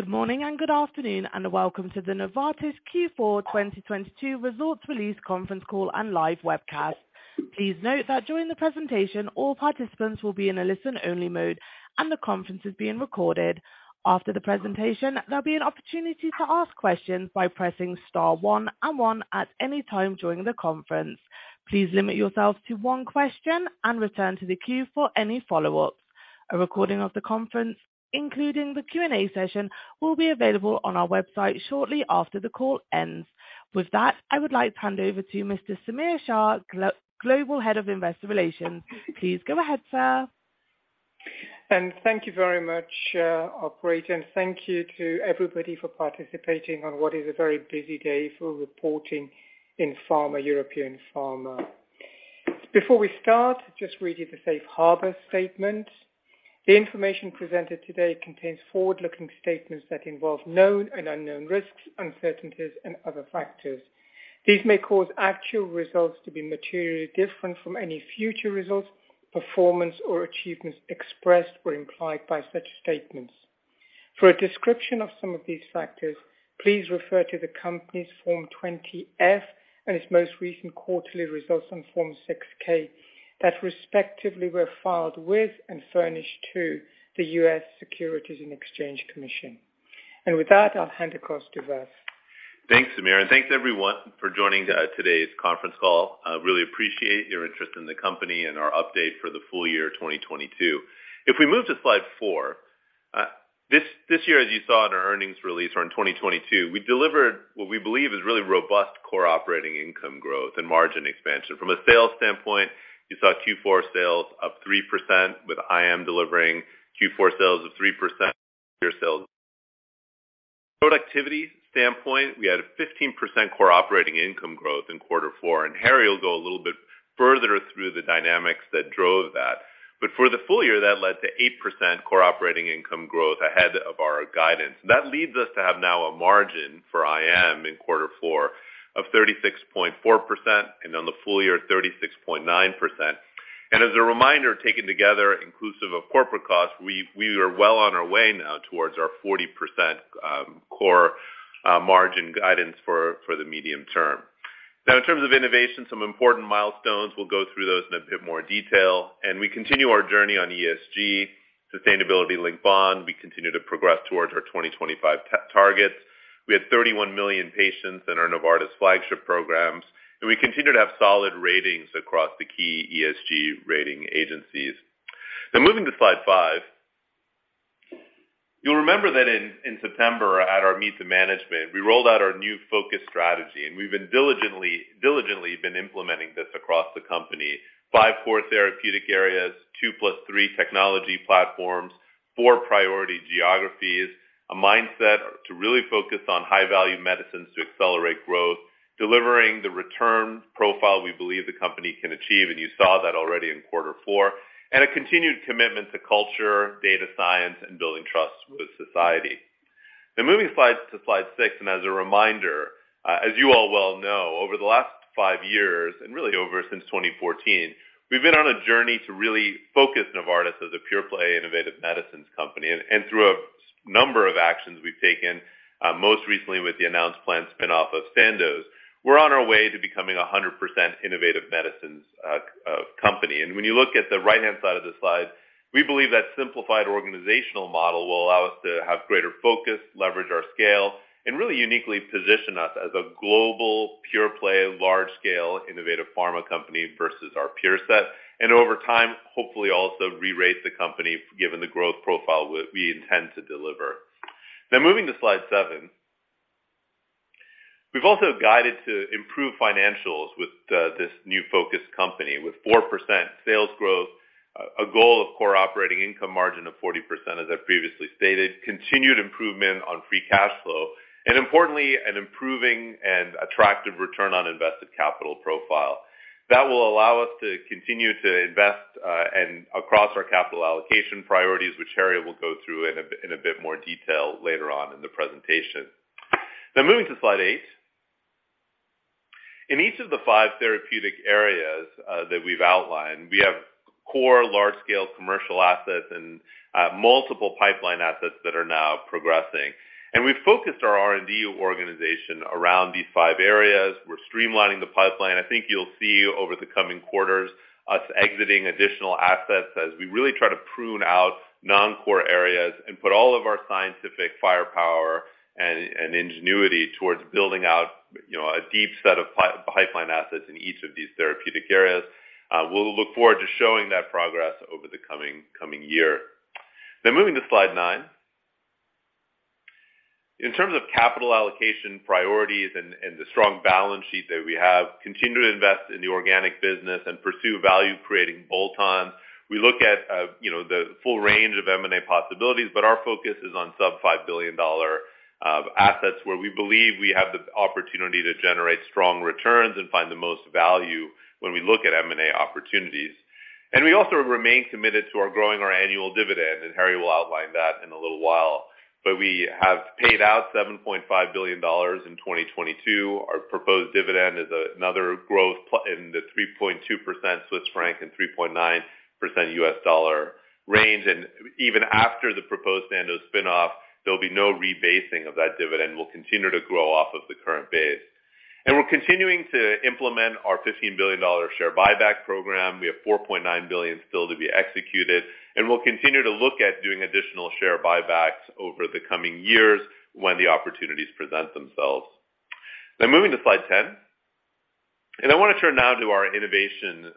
Good morning and good afternoon, and welcome to the Novartis Q4 2022 Results Release Conference Call and Live Webcast. Please note that during the presentation, all participants will be in a listen-only mode and the conference is being recorded. After the presentation, there'll be an opportunity to ask questions by pressing star one and one at any time during the conference. Please limit yourselves to one question and return to the queue for any follow-ups. A recording of the conference, including the Q&A session, will be available on our website shortly after the call ends. With that, I would like to hand over to Mr. Samir Shah, Global Head of Investor Relations. Please go ahead, sir. Thank you very much, operator, and thank you to everybody for participating on what is a very busy day for reporting in pharma, European pharma. Before we start, just read you the safe harbor statement. The information presented today contains forward-looking statements that involve known and unknown risks, uncertainties and other factors. These may cause actual results to be materially different from any future results, performance or achievements expressed or implied by such statements. For a description of some of these factors, please refer to the company's Form 20-F and its most recent quarterly results on Form 6-K that respectively were filed with and furnished to the U.S. Securities and Exchange Commission. With that, I'll hand across to Vas. Thanks, Samir, thanks, everyone for joining today's conference call. I really appreciate your interest in the company and our update for the full year 2022. If we move to slide four. This year, as you saw in our earnings release or in 2022, we delivered what we believe is really robust core operating income growth and margin expansion. From a sales standpoint, you saw Q4 sales up 3% with IM delivering Q4 sales of 3%. Productivity standpoint, we had a 15% core operating income growth in Q4, Harry will go a little bit further through the dynamics that drove that. For the full year, that led to 8% core operating income growth ahead of our guidance. That leads us to have now a margin for IM in quarter four of 36.4% and on the full year, 36.9%. As a reminder, taken together inclusive of corporate costs, we are well on our way now towards our 40% core margin guidance for the medium term. In terms of innovation, some important milestones. We'll go through those in a bit more detail. We continue our journey on ESG sustainability-linked bond. We continue to progress towards our 2025 targets. We had 31 million patients in our Novartis flagship programs, and we continue to have solid ratings across the key ESG rating agencies. Moving to slide five. You'll remember that in September at our Meet the Management, we've been diligently implementing this across the company. Five core therapeutic areas, two plus three technology platforms, four priority geographies, a mindset to really focus on high-value medicines to accelerate growth, delivering the return profile we believe the company can achieve. You saw that already in quarter four. A continued commitment to culture, data science, and building trust with society. Now moving to slide six. As a reminder, as you all well know, over the last five years and really over since 2014, we've been on a journey to really focus Novartis as a pure-play innovative medicines company. Through a number of actions we've taken, most recently with the announced planned spin-off of Sandoz, we're on our way to becoming a 100% innovative medicines company. When you look at the right-hand side of the slide, we believe that simplified organizational model will allow us to have greater focus, leverage our scale, and really uniquely position us as a global pure-play, large-scale innovative pharma company versus our peer set. Over time, hopefully also re-rate the company given the growth profile we intend to deliver. Now moving to slide seven. We've also guided to improve financials with this new focus company with 4% sales growth, a goal of core operating income margin of 40%, as I previously stated, continued improvement on free cash flow, and importantly, an improving and attractive return on invested capital profile. That will allow us to continue to invest across our capital allocation priorities, which Harry will go through in a bit more detail later on in the presentation. Moving to slide eight. In each of the five therapeutic areas that we've outlined, we have core large-scale commercial assets and multiple pipeline assets that are now progressing. We've focused our R&D organization around these five areas. We're streamlining the pipeline. I think you'll see over the coming quarters us exiting additional assets as we really try to prune out non-core areas and put all of our scientific firepower and ingenuity towards building out, you know, a deep set of pipeline assets in each of these therapeutic areas. We'll look forward to showing that progress over the coming year. Moving to slide nine. In terms of capital allocation priorities and the strong balance sheet that we have, continue to invest in the organic business and pursue value-creating bolt-ons. We look at, you know, the full range of M&A possibilities, but our focus is on sub $5 billion assets where we believe we have the opportunity to generate strong returns and find the most value when we look at M&A opportunities. We also remain committed to our growing our annual dividend, and Harry will outline that in a little while. We have paid out $7.5 billion in 2022. Our proposed dividend is another growth in the 3.2% Swiss franc and 3.9% U.S. dollar range. Even after the proposed Sandoz spin-off, there'll be no rebasing of that dividend. We'll continue to grow off of the current base. And we're continuing to implement our $15 billion share buyback program. We have $4.9 billion still to be executed, and we'll continue to look at doing additional share buybacks over the coming years when the opportunities present themselves. Moving to slide 10, I want to turn now to our innovation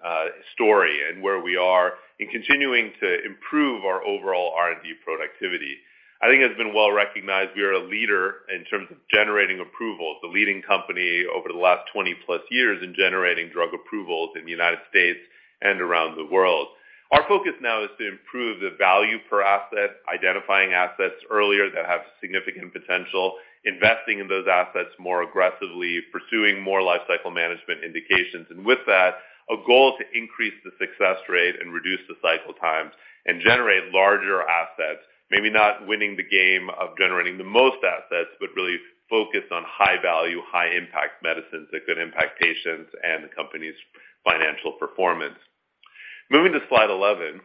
story and where we are in continuing to improve our overall R&D productivity. I think it's been well-recognized, we are a leader in terms of generating approvals, the leading company over the last 20-plus years in generating drug approvals in the United States and around the world. Our focus now is to improve the value per asset, identifying assets earlier that have significant potential, investing in those assets more aggressively, pursuing more lifecycle management indications, and with that, a goal to increase the success rate and reduce the cycle times and generate larger assets. Really focus on high-value, high-impact medicines that could impact patients and the company's financial performance. Moving to slide 11,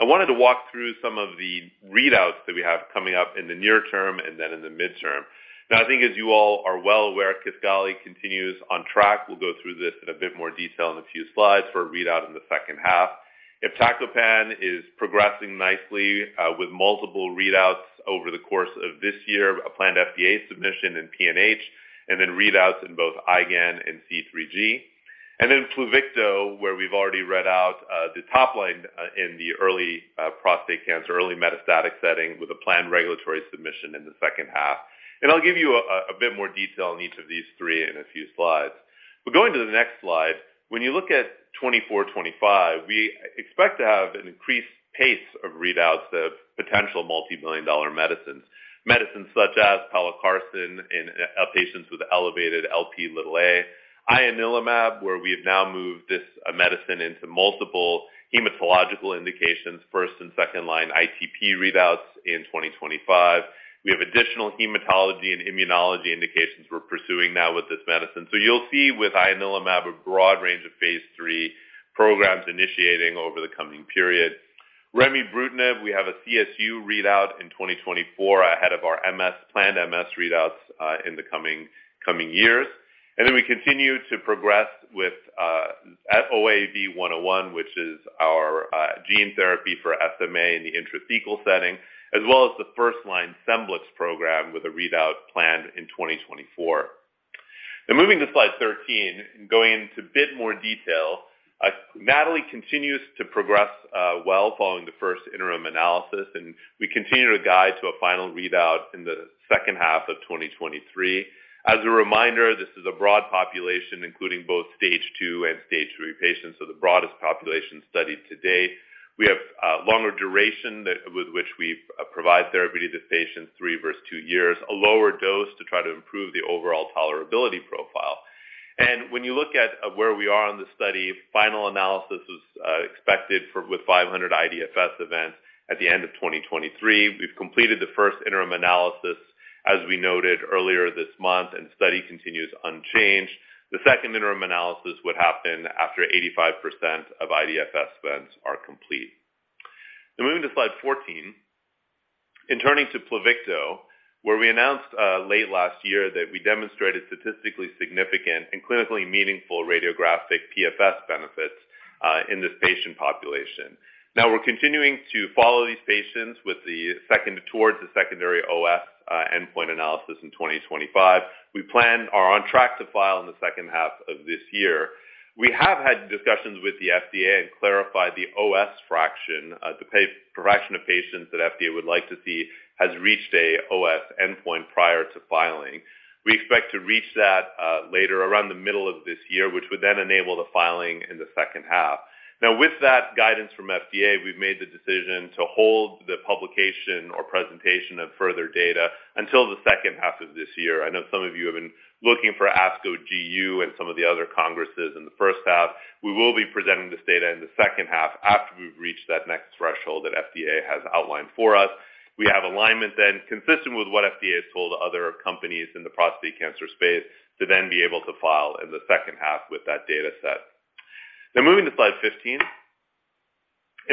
I wanted to walk through some of the readouts that we have coming up in the near term and then in the midterm. I think as you all are well aware, KISQALI continues on track. We'll go through this in a bit more detail in a few slides for a readout in the second half. Iptacopan is progressing nicely with multiple readouts over the course of this year, a planned FDA submission in PNH, readouts in both IgAN and C3G. PLUVICTO, where we've already read out the top line in the early prostate cancer, early metastatic setting with a planned regulatory submission in the second half. I'll give you a bit more detail on each of these three in a few slides. Going to the next slide, when you look at 2024, 2025, we expect to have an increased pace of readouts of potential multi-million dollar medicines. Medicines such as pelacarsen in patients with elevated Lp(a). Ianalumab, where we have now moved this medicine into multiple hematological indications, first and second line ITP readouts in 2025. We have additional hematology and immunology indications we're pursuing now with this medicine. You'll see with Ianalumab a broad range of phase III programs initiating over the coming period. remibrutinib, we have a CSU readout in 2024 ahead of our planned MS readouts in the coming years. We continue to progress with OAV101, which is our gene therapy for SMA in the intrathecal setting, as well as the first-line SCEMBLIX program with a readout planned in 2024. Moving to slide 13, going into a bit more detail. NATALEE continues to progress well following the first interim analysis, and we continue to guide to a final readout in the second half of 2023. As a reminder, this is a broad population, including both stage two and stage three patients, so the broadest population studied to date. We have longer duration with which we provide therapy to patients, three versus two years, a lower dose to try to improve the overall tolerability profile. When you look at where we are on the study, final analysis is expected for with 500 IDFS events at the end of 2023. We've completed the first interim analysis, as we noted earlier this month, and study continues unchanged. The second interim analysis would happen after 85% of IDFS events are complete. Moving to slide 14, and turning to PLUVICTO, where we announced late last year that we demonstrated statistically significant and clinically meaningful radiographic PFS benefits in this patient population. We're continuing to follow these patients towards the secondary OS endpoint analysis in 2025. We are on track to file in the second half of this year. We have had discussions with the FDA and clarified the OS fraction, the fraction of patients that FDA would like to see has reached a OS endpoint prior to filing. We expect to reach that later around the middle of this year, which would then enable the filing in the second half. With that guidance from FDA, we've made the decision to hold the publication or presentation of further data until the second half of this year. I know some of you have been looking for ASCO GU and some of the other congresses in the first half. We will be presenting this data in the second half after we've reached that next threshold that FDA has outlined for us. We have alignment consistent with what FDA has told other companies in the prostate cancer space to be able to file in the second half with that data set. Moving to slide 15,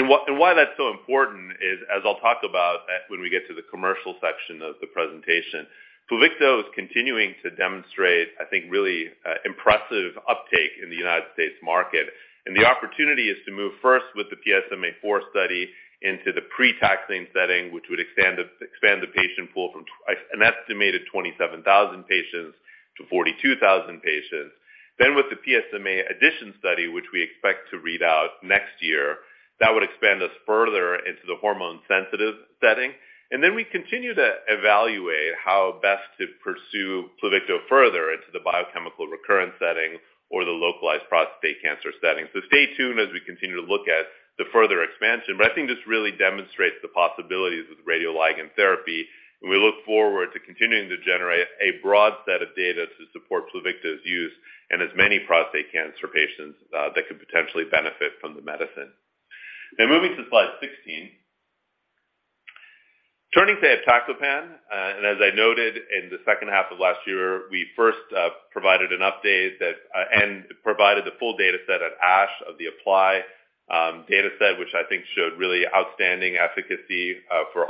why that's so important is, as I'll talk about when we get to the commercial section of the presentation, PLUVICTO is continuing to demonstrate, I think, really impressive uptake in the United States market, and the opportunity is to move first with the PSMAfore study into the pre-taxane setting, which would expand the patient pool from an estimated 27,000 patients to 42,000 patients. With the PSMAddition study, which we expect to read out next year, that would expand us further into the hormone-sensitive setting. We continue to evaluate how best to pursue PLUVICTO further into the biochemical recurrence setting or the localized prostate cancer setting. Stay tuned as we continue to look at the further expansion. I think this really demonstrates the possibilities with radioligand therapy, and we look forward to continuing to generate a broad set of data to support PLUVICTO's use in as many prostate cancer patients that could potentially benefit from the medicine. Moving to slide 16. Turning to iptacopan, as I noted in the second half of last year, we first provided an update that, and provided the full data set at ASH of the APPLY-PNH data set, which I think showed really outstanding efficacy for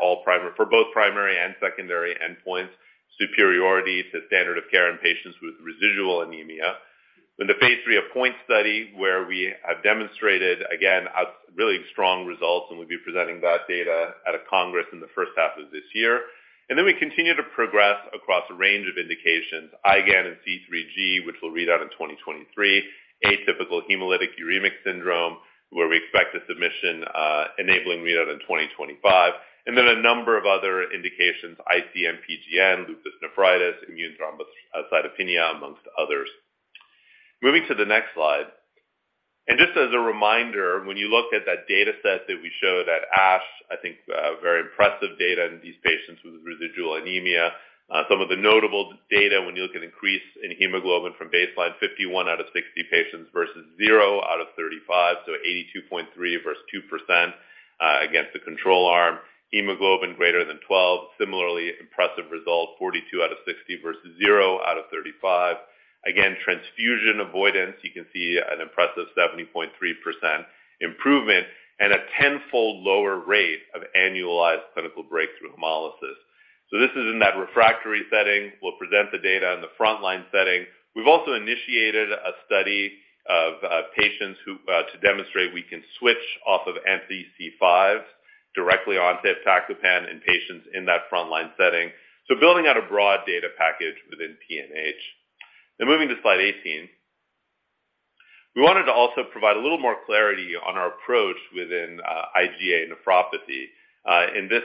both primary and secondary endpoints, superiority to standard of care in patients with residual anemia. In the phase III APPOINT study, where we have demonstrated again a really strong results, we'll be presenting that data at a congress in the first half of this year. We continue to progress across a range of indications, IgAN and C3G, which will read out in 2023. Atypical Hemolytic Uremic Syndrome, where we expect a submission enabling readout in 2025. A number of other indications, IC-MPGN, lupus nephritis, immune thrombocytopenia, amongst others. Moving to the next slide. Just as a reminder, when you look at that data set that we showed at ASH, I think, very impressive data in these patients with residual anemia. Some of the notable data when you look at increase in hemoglobin from baseline, 51 out of 60 patients versus zero out of 35, so 82.3% versus 2%, against the control arm. Hemoglobin greater than 12, similarly impressive result, 42 out of 60 versus zero out of 35. Again, transfusion avoidance, you can see an impressive 70.3% improvement and a 10-fold lower rate of annualized clinical breakthrough hemolysis. This is in that refractory setting. We'll present the data in the frontline setting. We've also initiated a study of patients who to demonstrate we can switch off of anti-C5 directly onto iptacopan in patients in that frontline setting. Building out a broad data package within PNH. Moving to slide 18. We wanted to also provide a little more clarity on our approach within IgA nephropathy. In this. Sorry, this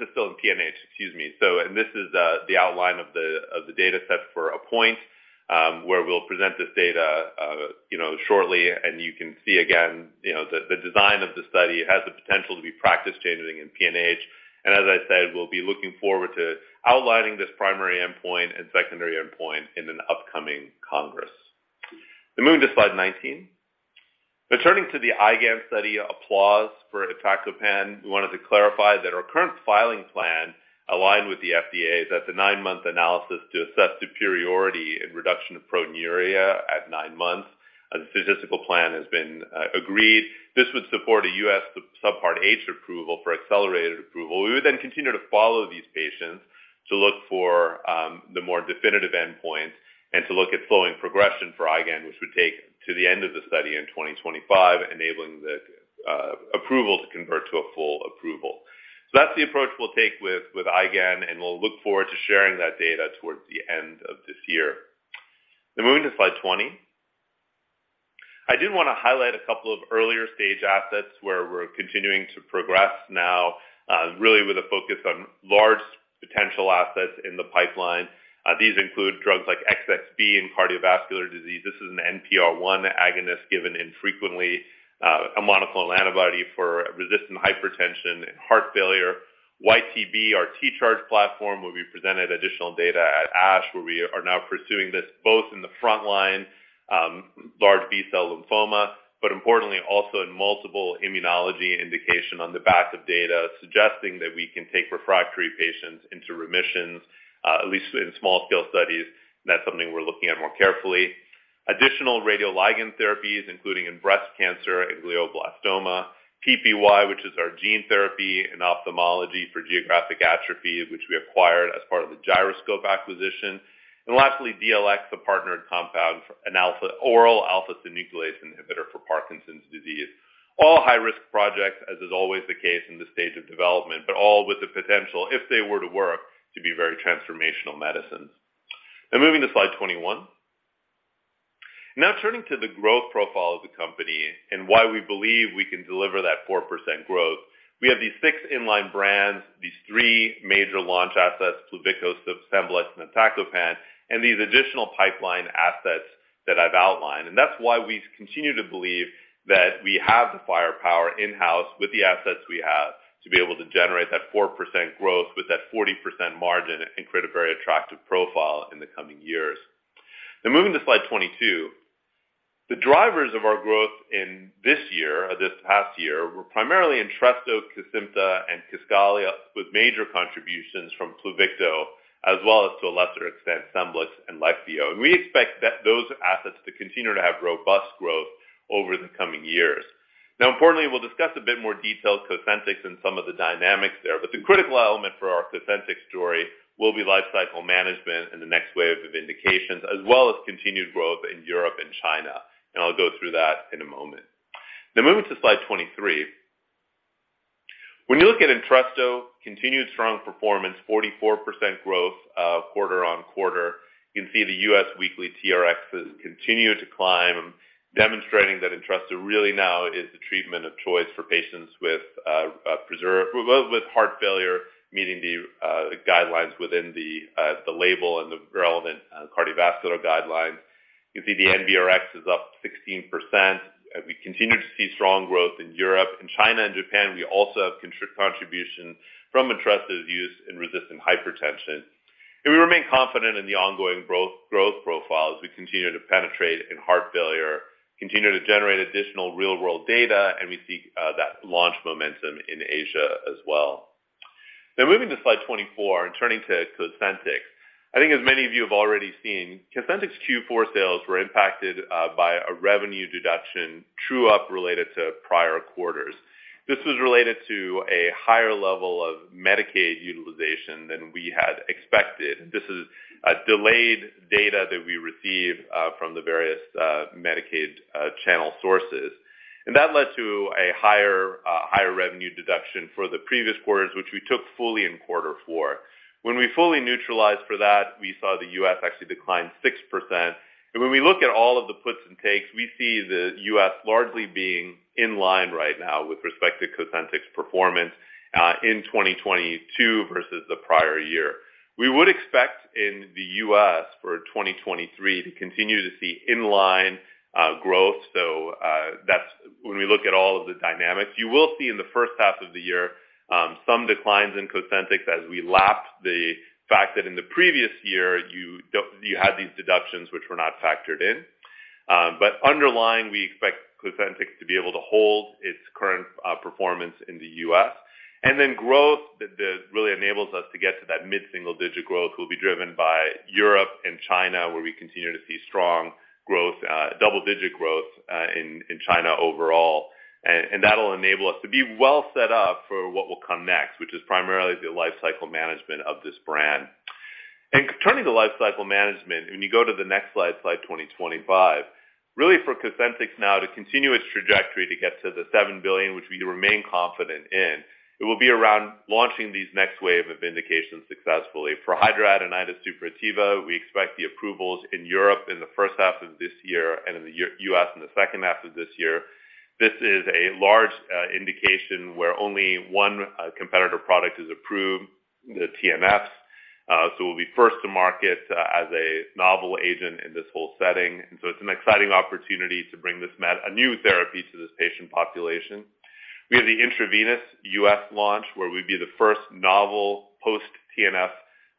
is still in PNH. Excuse me. This is the outline of the data set for APOINT, where we'll present this data, you know, shortly. You can see again, you know, the design of the study has the potential to be practice-changing in PNH. As I said, we'll be looking forward to outlining this primary endpoint and secondary endpoint in an upcoming congress. Moving to slide 19. Turning to the IgAN study APPLAUSE for iptacopan. We wanted to clarify that our current filing plan aligned with the FDA is at the nine-month analysis to assess superiority in reduction of proteinuria at nine months. The statistical plan has been agreed. This would support a U.S. Subpart H approval for accelerated approval. We would then continue to follow these patients to look for, the more definitive endpoints and to look at slowing progression for IgAN, which would take to the end of the study in 2025, enabling the approval to convert to a full approval. That's the approach we'll take with IgAN, and we'll look forward to sharing that data towards the end of this year. Moving to slide 20. I did wanna highlight a couple of earlier-stage assets where we're continuing to progress now, really with a focus on large potential assets in the pipeline. These include drugs like XXB in cardiovascular disease. This is an NPR1 agonist given infrequently, a monoclonal antibody for resistant hypertension and heart failure. YTB, our T-Charge platform, where we presented additional data at ASH, where we are now pursuing this both in the front line, large B-cell lymphoma, but importantly also in multiple immunology indication on the back of data suggesting that we can take refractory patients into remissions, at least in small scale studies. That's something we're looking at more carefully. Additional radioligand therapies, including in breast cancer and glioblastoma. TPY, which is our gene therapy in ophthalmology for Geographic Atrophy, which we acquired as part of the Gyroscope acquisition. Lastly, DLX, a partnered compound for an oral alpha-synuclein inhibitor for Parkinson's disease. All high-risk projects, as is always the case in this stage of development, but all with the potential, if they were to work, to be very transformational medicines. Now moving to slide 21. Turning to the growth profile of the company and why we believe we can deliver that 4% growth. We have these six in-line brands, these three major launch assets, PLUVICTO, SCEMBLIX, and iptacopan, and these additional pipeline assets that I've outlined. That's why we continue to believe that we have the firepower in-house with the assets we have to be able to generate that 4% growth with that 40% margin and create a very attractive profile in the coming years. Moving to slide 22. The drivers of our growth in this year, or this past year, were primarily ENTRESTO, KESIMPTA, and KISQALI, with major contributions from PLUVICTO, as well as to a lesser extent, SCEMBLIX and LEQVIO. We expect that those assets to continue to have robust growth over the coming years. Importantly, we'll discuss a bit more detail COSENTYX and some of the dynamics there. The critical element for our COSENTYX story will be lifecycle management and the next wave of indications, as well as continued growth in Europe and China. I'll go through that in a moment. Moving to slide 23. When you look at ENTRESTO, continued strong performance, 44% growth, quarter-on-quarter. You can see the U.S. weekly TRXs continue to climb, demonstrating that ENTRESTO really now is the treatment of choice for patients with heart failure, meeting the guidelines within the label and the relevant cardiovascular guidelines. You can see the NBRx is up 16%. We continue to see strong growth in Europe. In China and Japan, we also have contribution from ENTRESTO's use in resistant hypertension. We remain confident in the ongoing growth profile as we continue to penetrate in heart failure, continue to generate additional real-world data, and we see that launch momentum in Asia as well. Now moving to slide 24 and turning to COSENTYX. I think as many of you have already seen, COSENTYX Q4 sales were impacted by a revenue deduction true-up related to prior quarters. This was related to a higher level of Medicaid utilization than we had expected. This is delayed data that we receive from the various Medicaid channel sources. And that led to a higher revenue deduction for the previous quarters, which we took fully in Q4. When we fully neutralized for that, we saw the U.S. actually decline 6%. When we look at all of the puts and takes, we see the US largely being in line right now with respect to COSENTYX performance in 2022 versus the prior year. We would expect in the U.S. for 2023 to continue to see in-line growth. That's when we look at all of the dynamics. You will see in the 1st half of the year some declines in COSENTYX as we lap the fact that in the previous year you had these deductions which were not factored in. Underlying, we expect COSENTYX to be able to hold its current performance in the U.S. Then growth that really enables us to get to that mid-single-digit growth will be driven by Europe and China, where we continue to see strong growth, double-digit growth in China overall. That'll enable us to be well set up for what will come next, which is primarily the lifecycle management of this brand. Turning to lifecycle management, when you go to the next slide 25, really for COSENTYX now to continue its trajectory to get to the $7 billion, which we remain confident in, it will be around launching these next wave of indications successfully. For hidradenitis suppurativa, we expect the approvals in Europe in the first half of this year and in the U.S. in the second half of this year. This is a large indication where only one competitor product is approved, the TNFs. We'll be first to market as a novel agent in this whole setting. It's an exciting opportunity to bring this med, a new therapy to this patient population. We have the intravenous U.S. launch, where we'd be the first novel post-TNF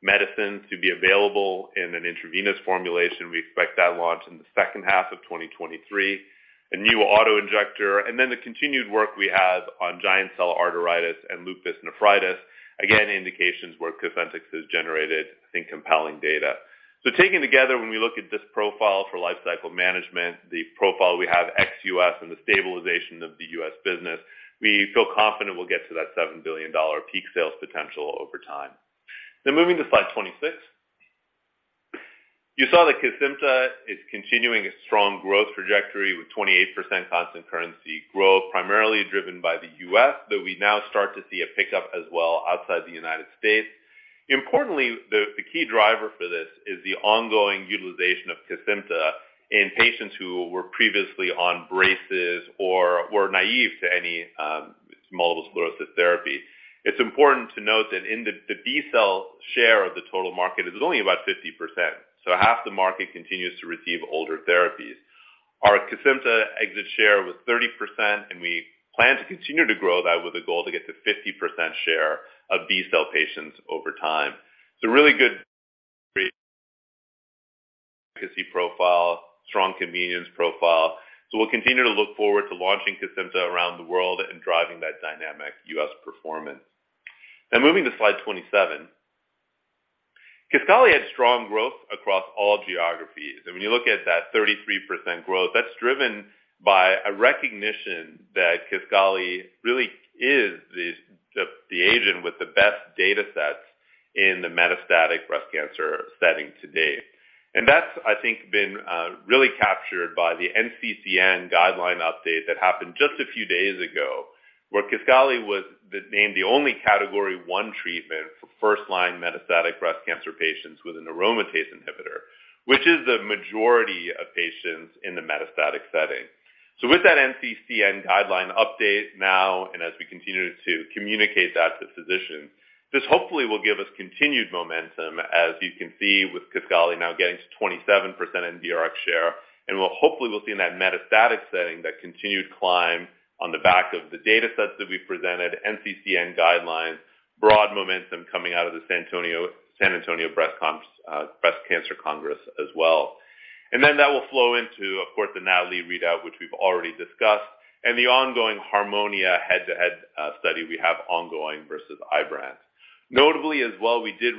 medicine to be available in an intravenous formulation. We expect that launch in the second half of 2023. A new auto-injector, the continued work we have on giant cell arteritis and lupus nephritis. Again, indications where COSENTYX has generated, I think, compelling data. Taken together, when we look at this profile for lifecycle management, the profile we have ex-U.S. and the stabilization of the U.S. business, we feel confident we'll get to that $7 billion peak sales potential over time. Moving to slide 26. You saw that KESIMPTA is continuing its strong growth trajectory with 28% constant currency growth, primarily driven by the U.S., though we now start to see a pickup as well outside the United States. Importantly, the key driver for this is the ongoing utilization of KESIMPTA in patients who were previously on braces or were naive to any multiple sclerosis therapy. It's important to note that in the B-cell share of the total market is only about 50%. Half the market continues to receive older therapies. Our KESIMPTA exit share was 30%. We plan to continue to grow that with a goal to get to 50% share of B-cell patients over time. It's a really good profile, strong convenience profile. We'll continue to look forward to launching KESIMPTA around the world and driving that dynamic U.S. performance. Moving to slide 27. KISQALI had strong growth across all geographies. When you look at that 33% growth, that's driven by a recognition that KISQALI really is the agent with the best datasets in the metastatic breast cancer setting to date. That's, I think, been really captured by the NCCN guideline update that happened just a few days ago, where KISQALI was named the only Category 1 treatment for first-line metastatic breast cancer patients with an aromatase inhibitor, which is the majority of patients in the metastatic setting. With that NCCN guideline update now, and as we continue to communicate that to physicians, this hopefully will give us continued momentum, as you can see with KISQALI now getting to 27% in BRX share. We'll hopefully see in that metastatic setting that continued climb on the back of the datasets that we presented, NCCN guidelines, broad momentum coming out of the San Antonio Breast Cancer Congress as well. That will flow into, of course, the NATALEE readout, which we've already discussed, and the ongoing HARMONIA head-to-head study we have ongoing versus IBRANCE. Notably as well, we did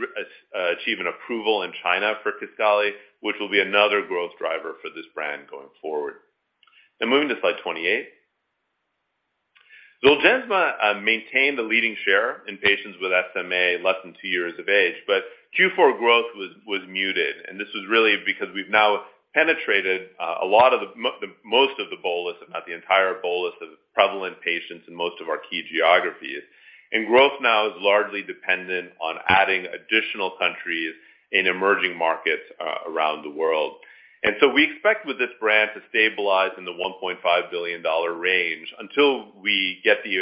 achieve an approval in China for KISQALI, which will be another growth driver for this brand going forward. Moving to slide 28. ZOLGENSMA maintained a leading share in patients with SMA less than two years of age, but Q4 growth was muted. this was really because we've now penetrated most of the bolus, if not the entire bolus of prevalent patients in most of our key geographies. growth now is largely dependent on adding additional countries in emerging markets around the world. we expect with this brand to stabilize in the $1.5 billion range until we get the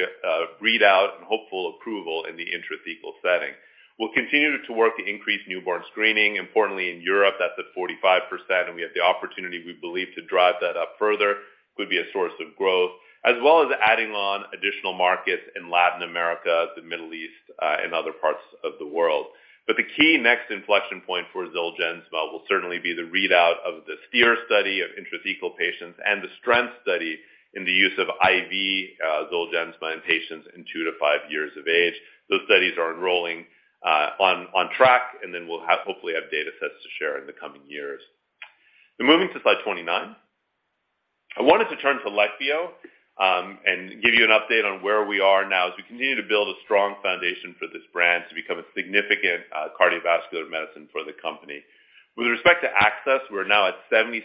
readout and hopeful approval in the intrathecal setting. We'll continue to work to increase newborn screening. Importantly, in Europe, that's at 45%, and we have the opportunity, we believe, to drive that up further, could be a source of growth, as well as adding on additional markets in Latin America, the Middle East, and other parts of the world. The key next inflection point for ZOLGENSMA will certainly be the readout of the STEER study of intrathecal patients and the STRENGTH study in the use of IV ZOLGENSMA in patients in two to five years of age. Those studies are enrolling on track, and then we'll hopefully have datasets to share in the coming years. Moving to slide 29. I wanted to turn to LEQVIO and give you an update on where we are now as we continue to build a strong foundation for this brand to become a significant cardiovascular medicine for the company. With respect to access, we're now at 76%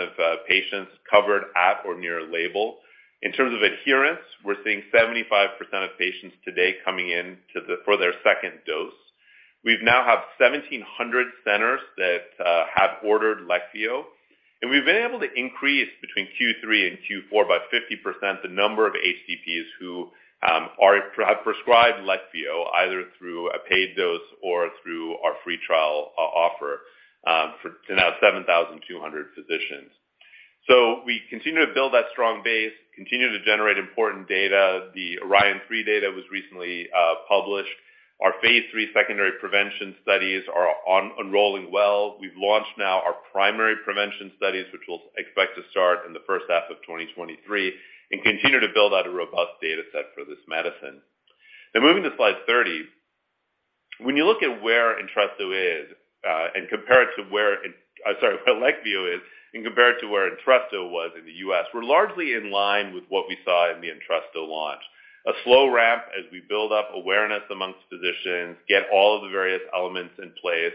of patients covered at or near label. In terms of adherence, we're seeing 75% of patients today coming in for their second dose. We now have 1,700 centers that have ordered LEQVIO, and we've been able to increase between Q3 and Q4 by 50% the number of HCPs who have prescribed LEQVIO either through a paid dose or through our free trial offer to now 7,200 physicians. We continue to build that strong base, continue to generate important data. The ORION-3 data was recently published. Our phase III secondary prevention studies are unrolling well. We've launched now our primary prevention studies, which we'll expect to start in the first half of 2023 and continue to build out a robust data set for this medicine. Moving to slide 30. When you look at where ENTRESTO is, and compare it to where it. Sorry, where LEQVIO is and compare it to where ENTRESTO was in the U.S., we're largely in line with what we saw in the ENTRESTO launch. A slow ramp as we build up awareness amongst physicians, get all of the various elements in place,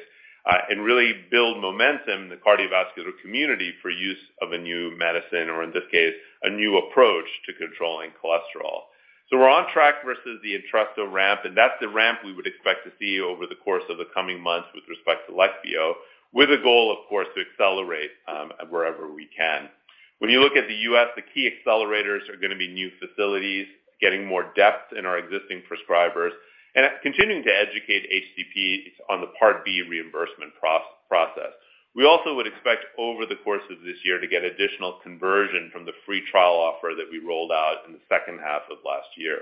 and really build momentum in the cardiovascular community for use of a new medicine, or in this case, a new approach to controlling cholesterol. We're on track versus the ENTRESTO ramp, and that's the ramp we would expect to see over the course of the coming months with respect to LEQVIO, with a goal, of course, to accelerate wherever we can. When you look at the U.S., the key accelerators are gonna be new facilities, getting more depth in our existing prescribers, and continuing to educate HCPs on the Part B reimbursement process. We also would expect over the course of this year to get additional conversion from the free trial offer that we rolled out in the second half of last year.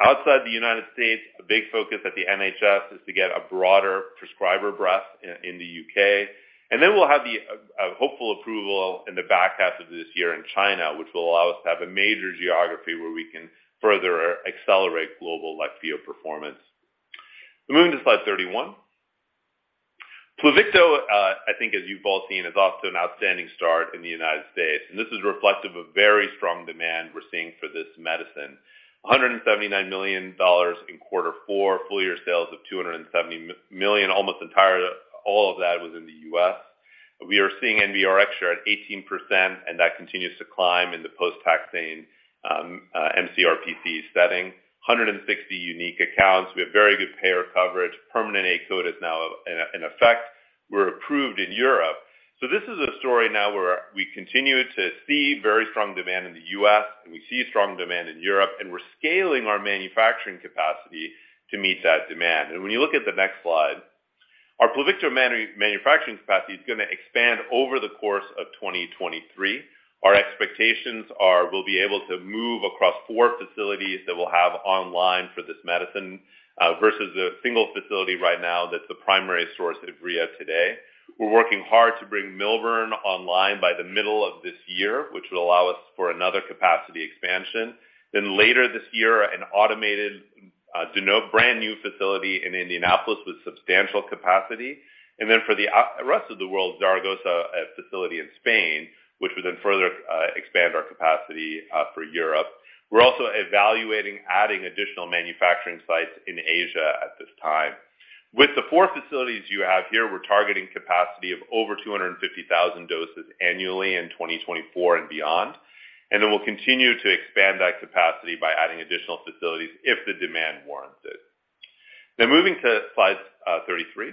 Outside the United States, a big focus at the NHS is to get a broader prescriber breadth in the U.K. Then we'll have the hopeful approval in the back half of this year in China, which will allow us to have a major geography where we can further accelerate global LEQVIO performance. Moving to slide 31. PLUVICTO, I think as you've all seen, is off to an outstanding start in the United States, and this is reflective of very strong demand we're seeing for this medicine. $179 million in quarter four, full year sales of $270 million, almost all of that was in the U.S. We are seeing NBRx share at 18%. That continues to climb in the post-taxane MCRPC setting. 160 unique accounts. We have very good payer coverage. Permanent A-Code is now in effect. We're approved in Europe. This is a story now where we continue to see very strong demand in the U.S., we see strong demand in Europe, and we're scaling our manufacturing capacity to meet that demand. When you look at the next slide, our PLUVICTO manufacturing capacity is gonna expand over the course of 2023. Our expectations are we'll be able to move across four facilities that we'll have online for this medicine versus a single facility right now that's the primary source at Rieti today. We're working hard to bring Millburn online by the middle of this year, which will allow us for another capacity expansion. Later this year, an automated, you know, brand-new facility in Indianapolis with substantial capacity. For the rest of the world, Zaragoza, a facility in Spain, which will then further expand our capacity for Europe. We're also evaluating adding additional manufacturing sites in Asia at this time. With the four facilities you have here, we're targeting capacity of over 250,000 doses annually in 2024 and beyond. We'll continue to expand that capacity by adding additional facilities if the demand warrants it. Moving to slide 33.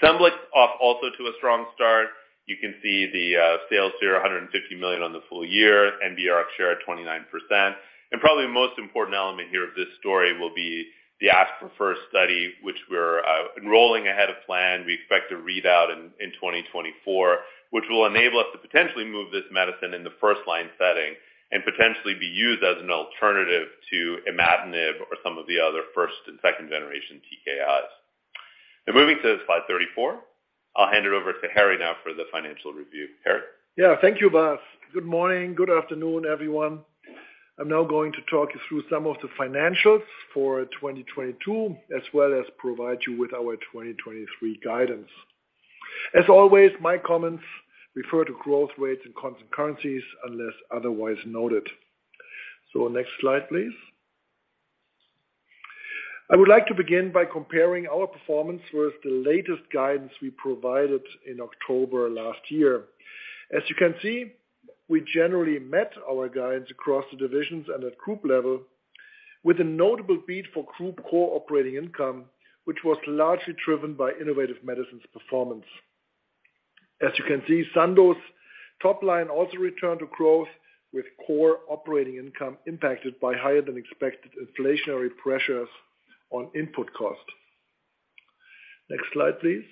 SCEMBLIX's off also to a strong start. You can see the sales here, $150 million on the full year, NBRx share at 29%. Probably the most important element here of this story will be the ASC4FIRST study, which we're enrolling ahead of plan. We expect a readout in 2024, which will enable us to potentially move this medicine in the first-line setting and potentially be used as an alternative to imatinib or some of the other first and second-generation TKIs. Moving to slide 34. I'll hand it over to Harry now for the financial review. Harry? Yeah. Thank you, Vas. Good morning. Good afternoon, everyone. I'm now going to talk you through some of the financials for 2022, as well as provide you with our 2023 guidance. As always, my comments refer to growth rates and constant currencies unless otherwise noted. Next slide, please. I would like to begin by comparing our performance versus the latest guidance we provided in October last year. As you can see, we generally met our guidance across the divisions and at group level with a notable beat for group Core Operating Income, which was largely driven by Innovative Medicines performance. As you can see, Sandoz top line also returned to growth with Core Operating Income impacted by higher than expected inflationary pressures on input costs. Next slide, please.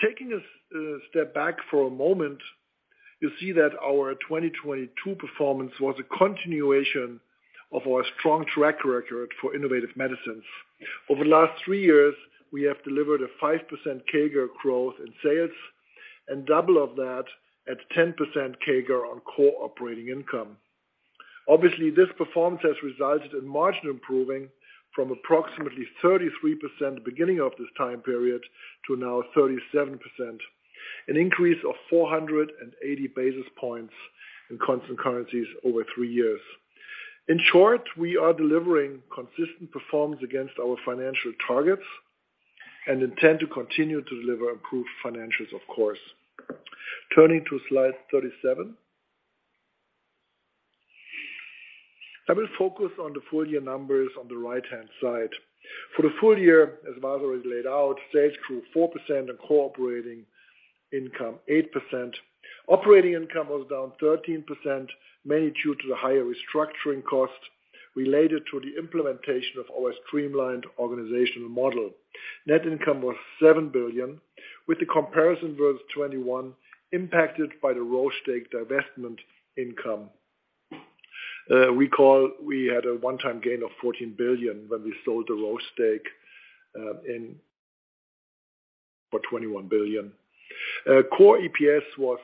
Taking a step back for a moment, you'll see that our 2022 performance was a continuation of our strong track record for innovative medicines. Over the last three years, we have delivered a 5% CAGR growth in sales and double of that at 10% CAGR on core operating income. Obviously, this performance has resulted in margin improving from approximately 33% beginning of this time period to now 37%, an increase of 480 basis points in constant currencies over three years. In short, we are delivering consistent performance against our financial targets and intend to continue to deliver improved financials, of course. Turning to slide 37. I will focus on the full year numbers on the right-hand side. For the full year, as Vas has laid out, sales grew 4% and core operating income 8%. Operating income was down 13%, mainly due to the higher restructuring costs related to the implementation of our streamlined organizational model. Net income was $7 billion, with the comparison versus 2021 impacted by the Roche stake divestment income. Recall we had a one-time gain of $14 billion when we sold the Roche stake in for $21 billion. Core EPS was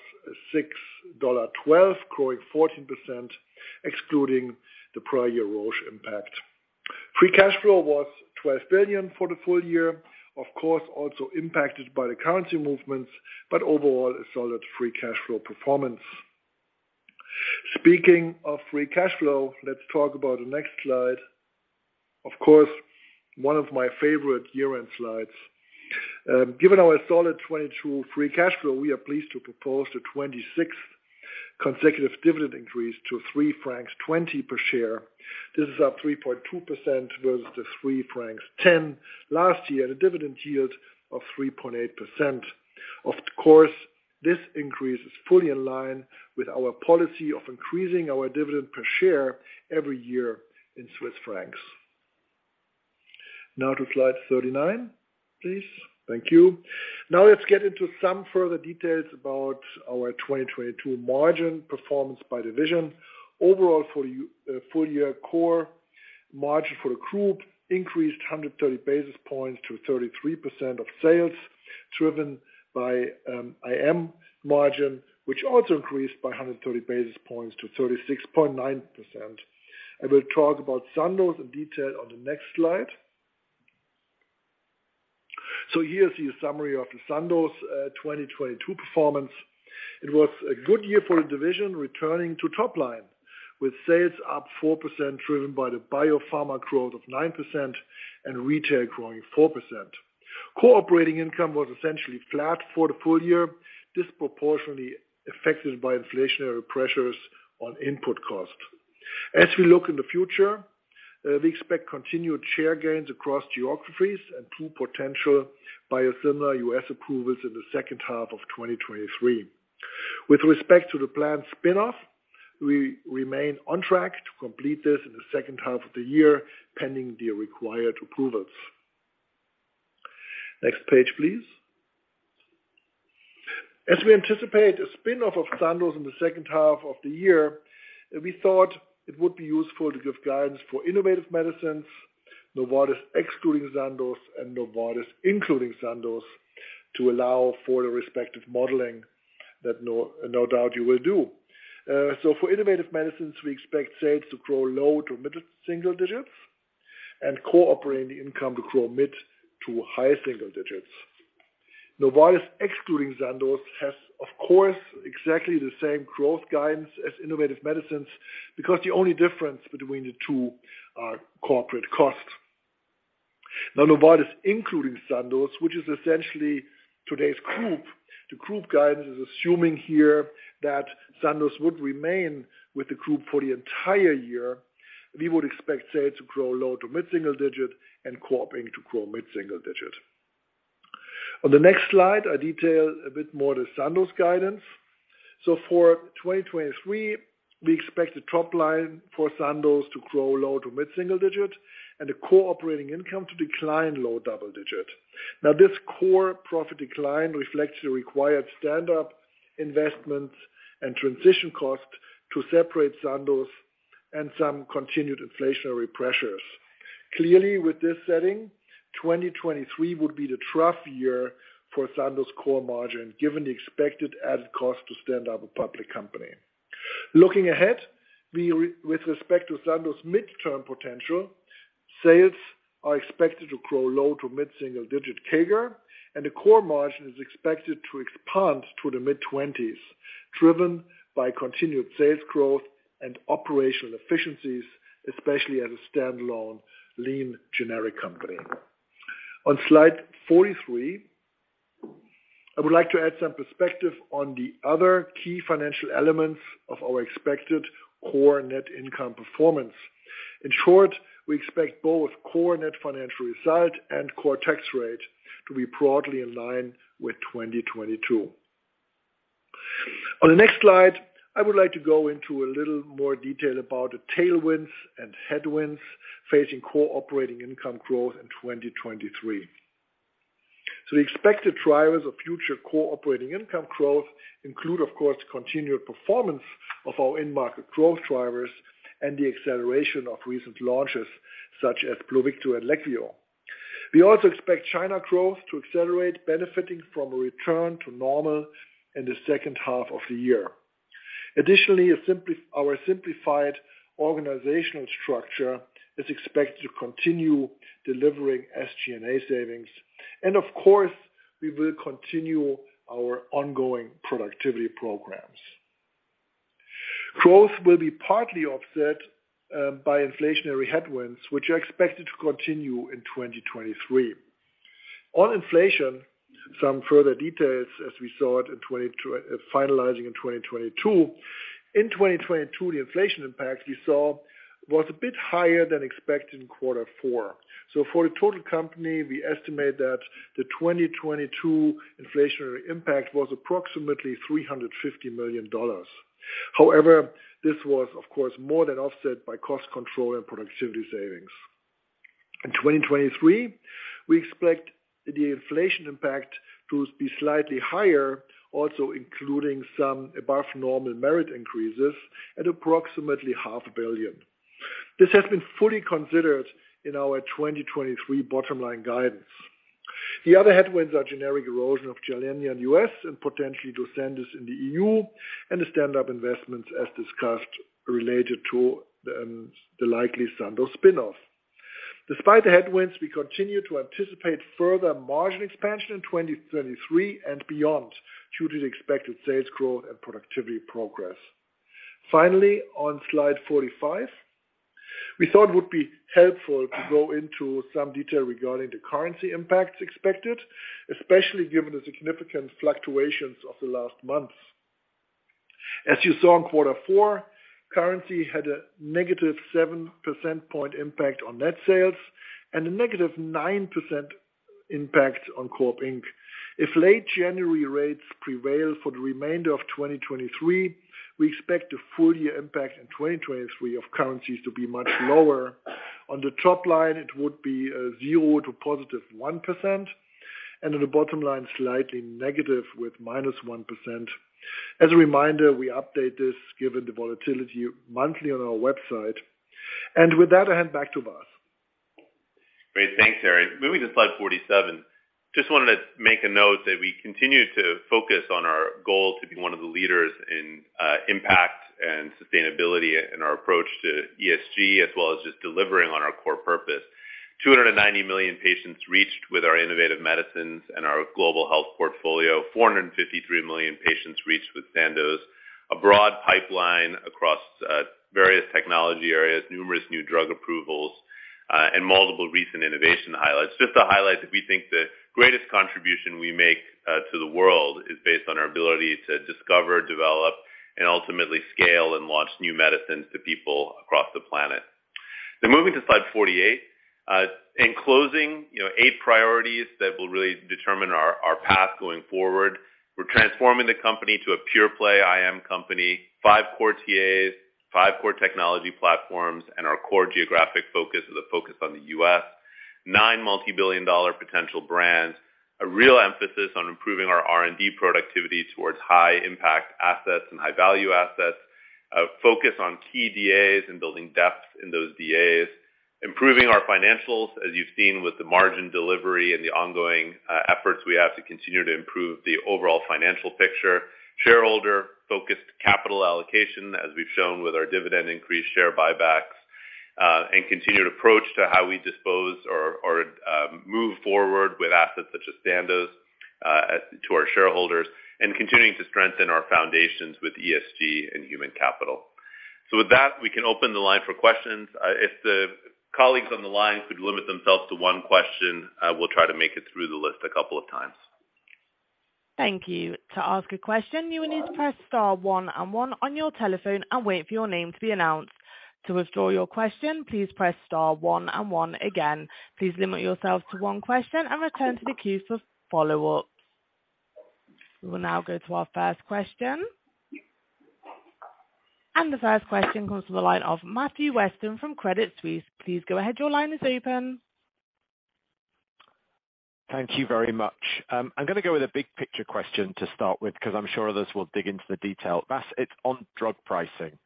$6.12, growing 14% excluding the prior year Roche impact. Free cash flow was $12 billion for the full year, of course, also impacted by the currency movements, but overall a solid free cash flow performance. Speaking of free cash flow, let's talk about the next slide. Of course, one of my favorite year-end slides. Given our solid 2022 free cash flow, we are pleased to propose the 26th consecutive dividend increase to 3.20 francs per share. This is up 3.2% versus the 3.10 francs last year, the dividend yield of 3.8%. This increase is fully in line with our policy of increasing our dividend per share every year in Swiss francs. To slide 39, please. Thank you. Let's get into some further details about our 2022 margin performance by division. Overall, full year core margin for the group increased 130 basis points to 33% of sales, driven by IM margin, which also increased by 130 basis points to 36.9%. I will talk about Sandoz in detail on the next slide. Here is the summary of the Sandoz 2022 performance. It was a good year for the division returning to top line, with sales up 4% driven by the biopharma growth of 9% and retail growing 4%. Core operating income was essentially flat for the full year, disproportionately affected by inflationary pressures on input costs. As we look in the future, we expect continued share gains across geographies and two potential biosimilar U.S. approvals in the second half of 2023. With respect to the planned spin-off, we remain on track to complete this in the second half of the year, pending the required approvals. Next page, please. We anticipate a spin-off of Sandoz in the second half of the year, we thought it would be useful to give guidance for Innovative Medicines, Novartis excluding Sandoz, and Novartis including Sandoz to allow for the respective modeling that no doubt you will do. For Innovative Medicines, we expect sales to grow low to mid-single digits and core operating income to grow mid to high single digits. Novartis excluding Sandoz has, of course, exactly the same growth guidance as Innovative Medicines because the only difference between the two are corporate costs. Novartis including Sandoz, which is essentially today's group, the group guidance is assuming here that Sandoz would remain with the group for the entire year. We would expect sales to grow low to mid-single digit and core operating to grow mid-single digit. On the next slide, I detail a bit more the Sandoz guidance. For 2023, we expect the top line for Sandoz to grow low to mid-single digit and the core operating income to decline low double digit. This core profit decline reflects the required stand-up investments and transition costs to separate Sandoz and some continued inflationary pressures. With this setting, 2023 would be the trough year for Sandoz core margin, given the expected added cost to stand up a public company. Looking ahead, with respect to Sandoz midterm potential, sales are expected to grow low to mid-single digit CAGR, and the core margin is expected to expand to the mid-20s%, driven by continued sales growth and operational efficiencies, especially as a standalone lean generic company. On slide 43, I would like to add some perspective on the other key financial elements of our expected core net income performance. In short, we expect both core net financial result and core tax rate to be broadly in line with 2022. On the next slide, I would like to go into a little more detail about the tailwinds and headwinds facing core operating income growth in 2023. The expected drivers of future core operating income growth include, of course, continued performance of our in-market growth drivers and the acceleration of recent launches such as PLUVICTO and LEQVIO. We also expect China growth to accelerate, benefiting from a return to normal in the second half of the year. Additionally, our simplified organizational structure is expected to continue delivering SG&A savings. Of course, we will continue our ongoing productivity programs. Growth will be partly offset by inflationary headwinds, which are expected to continue in 2023. On inflation, some further details as we saw it in finalizing in 2022. In 2022, the inflation impact we saw was a bit higher than expected in Q4. For the total company, we estimate that the 2022 inflationary impact was approximately $350 million. However, this was of course more than offset by cost control and productivity savings. In 2023, we expect the inflation impact to be slightly higher, also including some above normal merit increases at approximately half a billion. This has been fully considered in our 2023 bottom line guidance. The other headwinds are generic erosion of Gilenya in U.S., and potentially to Sandoz in the EU, and the stand-up investments as discussed, related to the likely Sandoz spin-offs. Despite the headwinds, we continue to anticipate further margin expansion in 2033 and beyond, due to the expected sales growth and productivity progress. Finally, on slide 45, we thought it would be helpful to go into some detail regarding the currency impacts expected, especially given the significant fluctuations of the last months. As you saw in Q4, currency had a negative 7 percent point impact on net sales, and a negative 9% impact on co-op inc. If late January rates prevail for the remainder of 2023, we expect the full year impact in 2023 of currencies to be much lower. On the top line, it would be 0% to +1%, and on the bottom line, slightly negative with -1%. As a reminder, we update this given the volatility monthly on our website. With that, I hand back to Vas. Great. Thanks, Harry. Moving to slide 47, just wanted to make a note that we continue to focus on our goal to be one of the leaders in impact and sustainability in our approach to ESG, as well as just delivering on our core purpose. 290 million patients reached with our innovative medicines and our global health portfolio. 453 million patients reached with Sandoz. A broad pipeline across various technology areas, numerous new drug approvals, and multiple recent innovation highlights. Just to highlight that we think the greatest contribution we make to the world is based on our ability to discover, develop, and ultimately scale and launch new medicines to people across the planet. Moving to slide 48. In closing, you know, eight priorities that will really determine our path going forward. We're transforming the company to a pure-play IM company. Five core TAs, five core technology platforms, our core geographic focus is a focus on the U.S. Nine multi-billion dollar potential brands. A real emphasis on improving our R&D productivity towards high impact assets and high value assets. A focus on key DAs and building depth in those DAs. Improving our financials, as you've seen with the margin delivery and the ongoing efforts, we have to continue to improve the overall financial picture. Shareholder-focused capital allocation, as we've shown with our dividend increase share buybacks, and continued approach to how we dispose or move forward with assets such as Sandoz to our shareholders. Continuing to strengthen our foundations with ESG and human capital. With that, we can open the line for questions. If the colleagues on the line could limit themselves to one question, we'll try to make it through the list a couple of times. Thank you. To ask a question, you will need to press star one and one on your telephone and wait for your name to be announced. To withdraw your question, please press star one and one again. Please limit yourself to one question and return to the queue for follow-ups. We will now go to our first question. The first question comes from the line of Matthew Weston from Credit Suisse. Please go ahead. Your line is open. Thank you very much. I'm gonna go with a big picture question to start with, 'cause I'm sure others will dig into the detail. Vas, it's on drug pricing.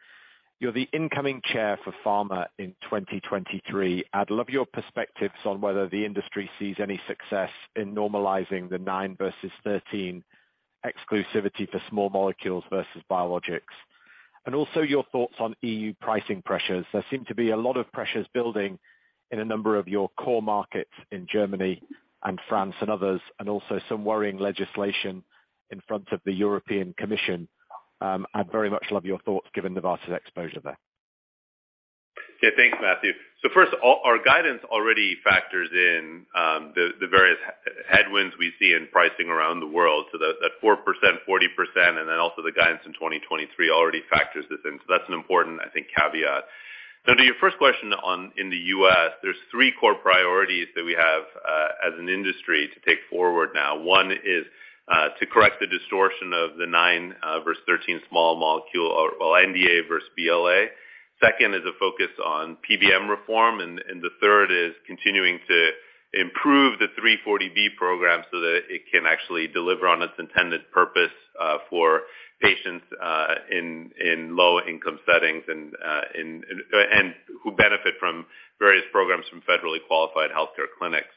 You're the incoming chair for pharma in 2023. I'd love your perspectives on whether the industry sees any success in normalizing the nine versus 13 exclusivity for small molecules versus biologics. Also your thoughts on EU pricing pressures. There seem to be a lot of pressures building in a number of your core markets in Germany and France and others, and also some worrying legislation in front of the European Commission. I'd very much love your thoughts given Novartis' exposure there. Thanks, Matthew. First, our guidance already factors in the various headwinds we see in pricing around the world. That 4%, 40%, also the guidance in 2023 already factors this in. That's an important, I think, caveat. To your first question on, in the U.S., there's three core priorities that we have as an industry to take forward now. One is to correct the distortion of the nine versus 13 small molecule or NDA versus BLA. Second is a focus on PBM reform. The third is continuing to improve the 340B program so that it can actually deliver on its intended purpose for patients in low income settings and who benefit from various programs from federally qualified healthcare clinics.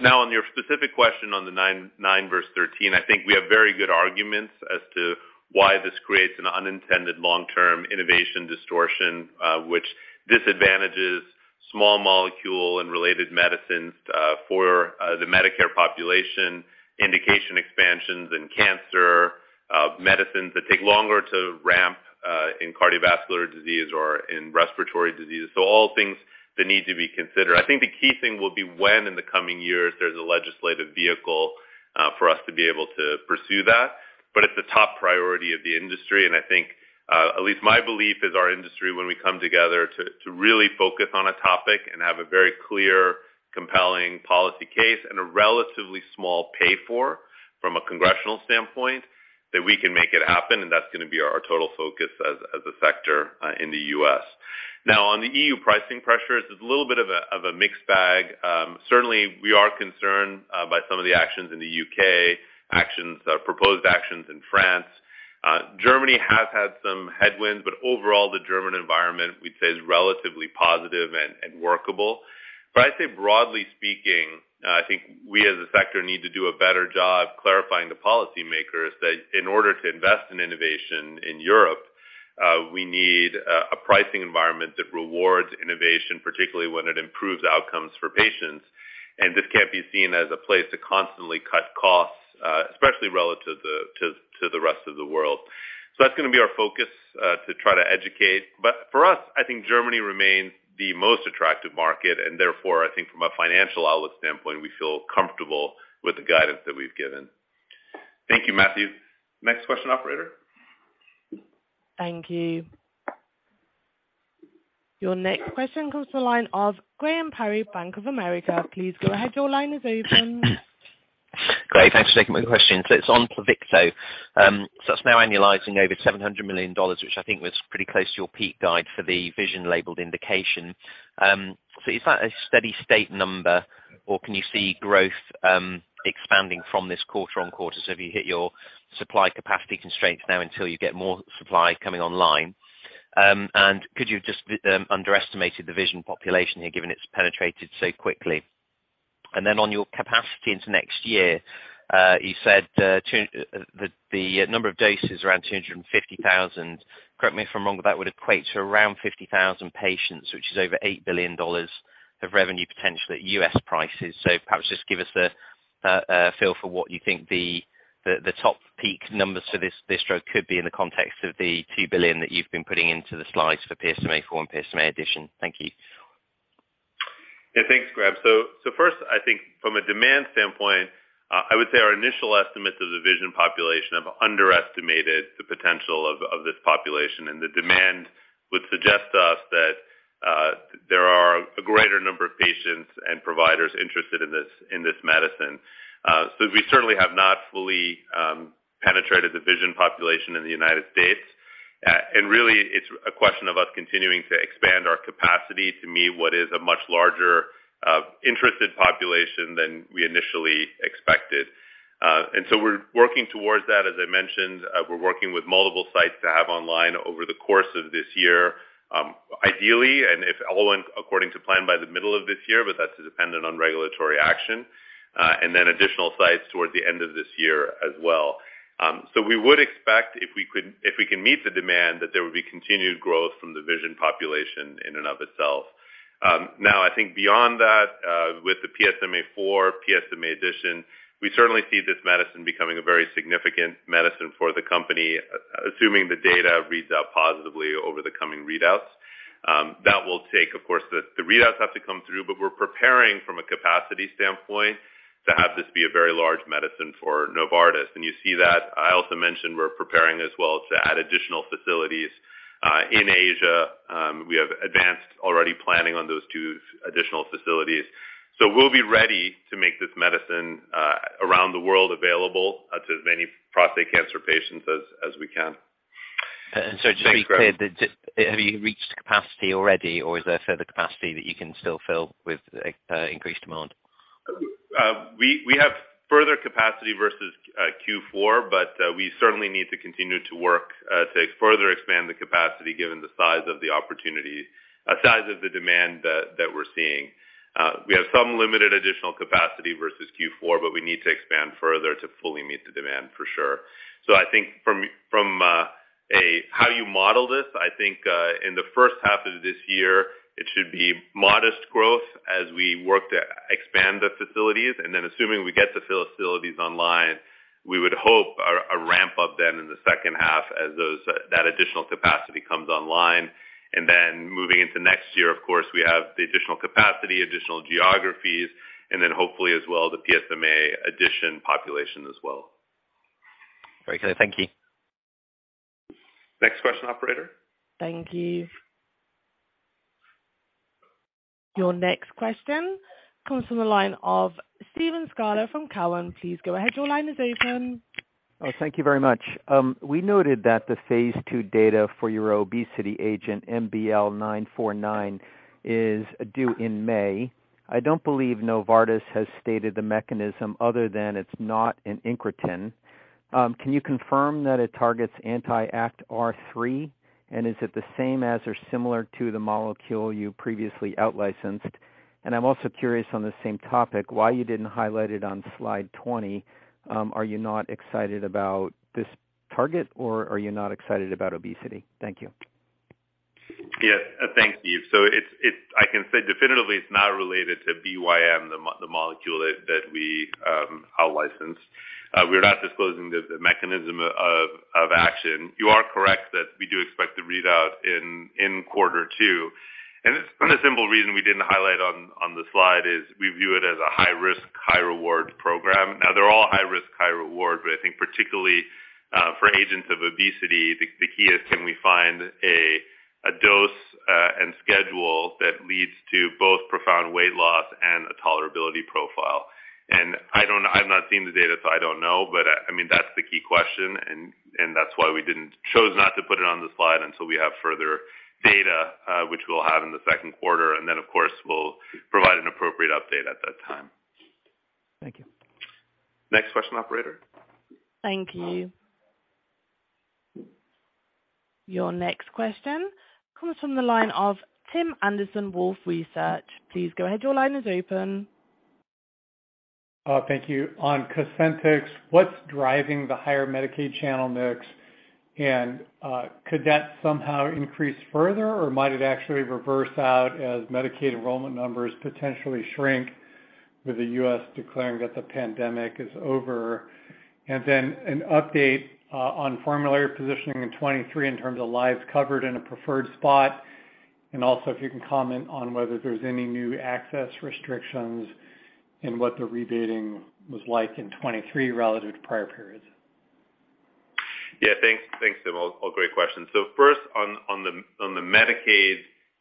Now on your specific question on the nine versus 13, I think we have very good arguments as to why this creates an unintended long-term innovation distortion, which disadvantages small molecule and related medicines, for the Medicare population, indication expansions in cancer, medicines that take longer to ramp, in cardiovascular disease or in respiratory diseases. All things that need to be considered. I think the key thing will be when in the coming years there's a legislative vehicle, for us to be able to pursue that. It's a top priority of the industry. I think, at least my belief is our industry when we come together to really focus on a topic and have a very clear, compelling policy case and a relatively small pay for from a congressional standpoint, that we can make it happen, and that's gonna be our total focus as a sector, in the U.S. On the EU pricing pressures, it's a little bit of a mixed bag. Certainly we are concerned, by some of the actions in the U.K., or proposed actions in France. Germany has had some headwinds, but overall, the German environment we'd say is relatively positive and workable. I'd say broadly speaking, I think we as a sector need to do a better job clarifying to policymakers that in order to invest in innovation in Europe, we need a pricing environment that rewards innovation, particularly when it improves outcomes for patients. This can't be seen as a place to constantly cut costs, especially relative to the rest of the world. That's gonna be our focus to try to educate. For us, I think Germany remains the most attractive market, and therefore, I think from a financial outlook standpoint, we feel comfortable with the guidance that we've given. Thank you, Matthew. Next question, operator. Thank you. Your next question comes from the line of Graham Parry, Bank of America. Please go ahead. Your line is open. Great. Thanks for taking my question. It's on PLUVICTO. It's now annualizing over $700 million, which I think was pretty close to your peak guide for the VISION-labeled indication. Is that a steady state number, or can you see growth expanding from this quarter on quarter? Have you hit your supply capacity constraints now until you get more supply coming online? And could you have just underestimated the VISION population here, given it's penetrated so quickly? On your capacity into next year, you said the number of doses around 250,000. Correct me if I'm wrong, but that would equate to around 50,000 patients, which is over $8 billion of revenue potential at U.S. prices. Perhaps just give us a feel for what you think the top peak numbers for this, this drug could be in the context of the $2 billion that you've been putting into the slides for PSMAfore and PSMAddition. Thank you. Yeah. Thanks, Graham. First, I think from a demand standpoint, I would say our initial estimates of the VISION population have underestimated the potential of this population. The demand would suggest to us that there are a greater number of patients and providers interested in this, in this medicine. We certainly have not fully penetrated the VISION population in the United States. Really, it's a question of us continuing to expand our capacity to meet what is a much larger, interested population than we initially expected. We're working towards that. As I mentioned, we're working with multiple sites to have online over the course of this year, ideally, and if all went according to plan by the middle of this year, but that's dependent on regulatory action, and then additional sites towards the end of this year as well. We would expect if we can meet the demand, that there would be continued growth from the VISION population in and of itself. I think beyond that, with the PSMAfore, PSMAddition, we certainly see this medicine becoming a very significant medicine for the company, assuming the data reads out positively over the coming readouts. That will take, of course, the readouts have to come through, but we're preparing from a capacity standpoint to have this be a very large medicine for Novartis. You see that I also mentioned we're preparing as well to add additional facilities in Asia. We have advanced already planning on those two additional facilities. We'll be ready to make this medicine around the world available to as many prostate cancer patients as we can. Just to be clear, have you reached capacity already, or is there further capacity that you can still fill with increased demand? We have further capacity versus Q4, we certainly need to continue to work to further expand the capacity given the size of the opportunity, size of the demand that we're seeing. We have some limited additional capacity versus Q4, but we need to expand further to fully meet the demand for sure. I think from how you model this, in the first half of this year, it should be modest growth as we work to expand the facilities. Assuming we get the facilities online, we would hope a ramp up in the second half as that additional capacity comes online. Moving into next year, of course, we have the additional capacity, additional geographies, and hopefully as well, the PSMAddition population as well. Very clear. Thank you. Next question, operator. Thank you. Your next question comes from the line of Steven Scala from Cowen. Please go ahead. Your line is open. Thank you very much. We noted that the phase II data for your obesity agent, MBL949, is due in May. I don't believe Novartis has stated the mechanism other than it's not an incretin. Can you confirm that it targets anti-ACTR3? Is it the same as or similar to the molecule you previously out licensed? I'm also curious on the same topic why you didn't highlight it on slide 20. Are you not excited about this target, or are you not excited about obesity? Thank you. Yeah. Thanks, Steve. It's I can say definitively it's not related to BYM, the molecule that we out licensed. We're not disclosing the mechanism of action. You are correct that we do expect the readout in quarter two. It's been a simple reason we didn't highlight on the slide is we view it as a high-risk, high-reward program. They're all high risk, high reward, but I think particularly for agents of obesity, the key is can we find a dose and schedule that leads to both profound weight loss and a tolerability profile. I don't know. I've not seen the data, so I don't know. I mean, that's the key question and that's why we didn't choose not to put it on the slide until we have further data, which we'll have in the second quarter. Then, of course, we'll provide an appropriate update at that time. Thank you. Next question, operator. Thank you. Your next question comes from the line of Tim Anderson, Wolfe Research. Please go ahead. Your line is open. Thank you. On COSENTYX, what's driving the higher Medicaid channel mix? Could that somehow increase further, or might it actually reverse out as Medicaid enrollment numbers potentially shrink with the US declaring that the pandemic is over? Then an update on formulary positioning in 23 in terms of lives covered in a preferred spot. Also, if you can comment on whether there's any new access restrictions and what the rebating was like in 23 relative to prior periods. Yeah, thanks. Thanks, Tim. All great questions. First on the Medicaid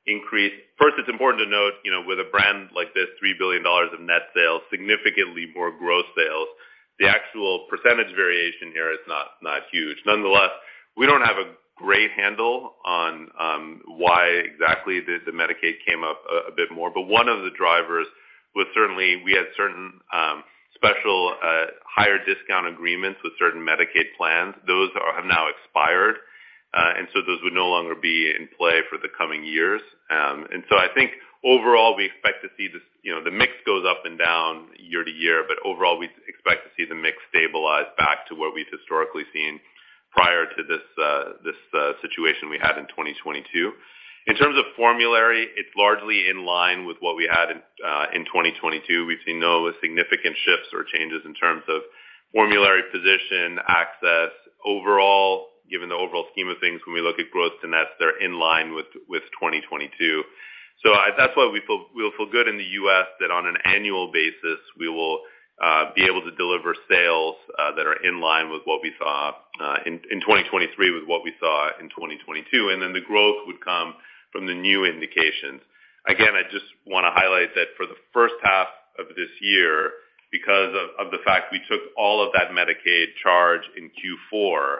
increase. First, it's important to note, you know, with a brand like this, $3 billion of net sales, significantly more gross sales, the actual percentage variation here is not huge. Nonetheless, we don't have a great handle on why exactly the Medicaid came up a bit more, but one of the drivers was certainly we had certain special higher discount agreements with certain Medicaid plans. Those have now expired. Those would no longer be in play for the coming years. I think overall, we expect to see this, you know, the mix goes up and down year to year, but overall, we expect to see the mix stabilize back to what we've historically seen prior to this situation we had in 2022. In terms of formulary, it's largely in line with what we had in 2022. We've seen no significant shifts or changes in terms of formulary position, access. Overall, given the overall scheme of things, when we look at growth to net, they're in line with 2022. That's why we feel good in the U.S. that on an annual basis we will be able to deliver sales that are in line with what we saw in 2023, with what we saw in 2022. The growth would come from the new indications. Again, I just wanna highlight that for the first half of this year, because of the fact we took all of that Medicaid charge in Q4,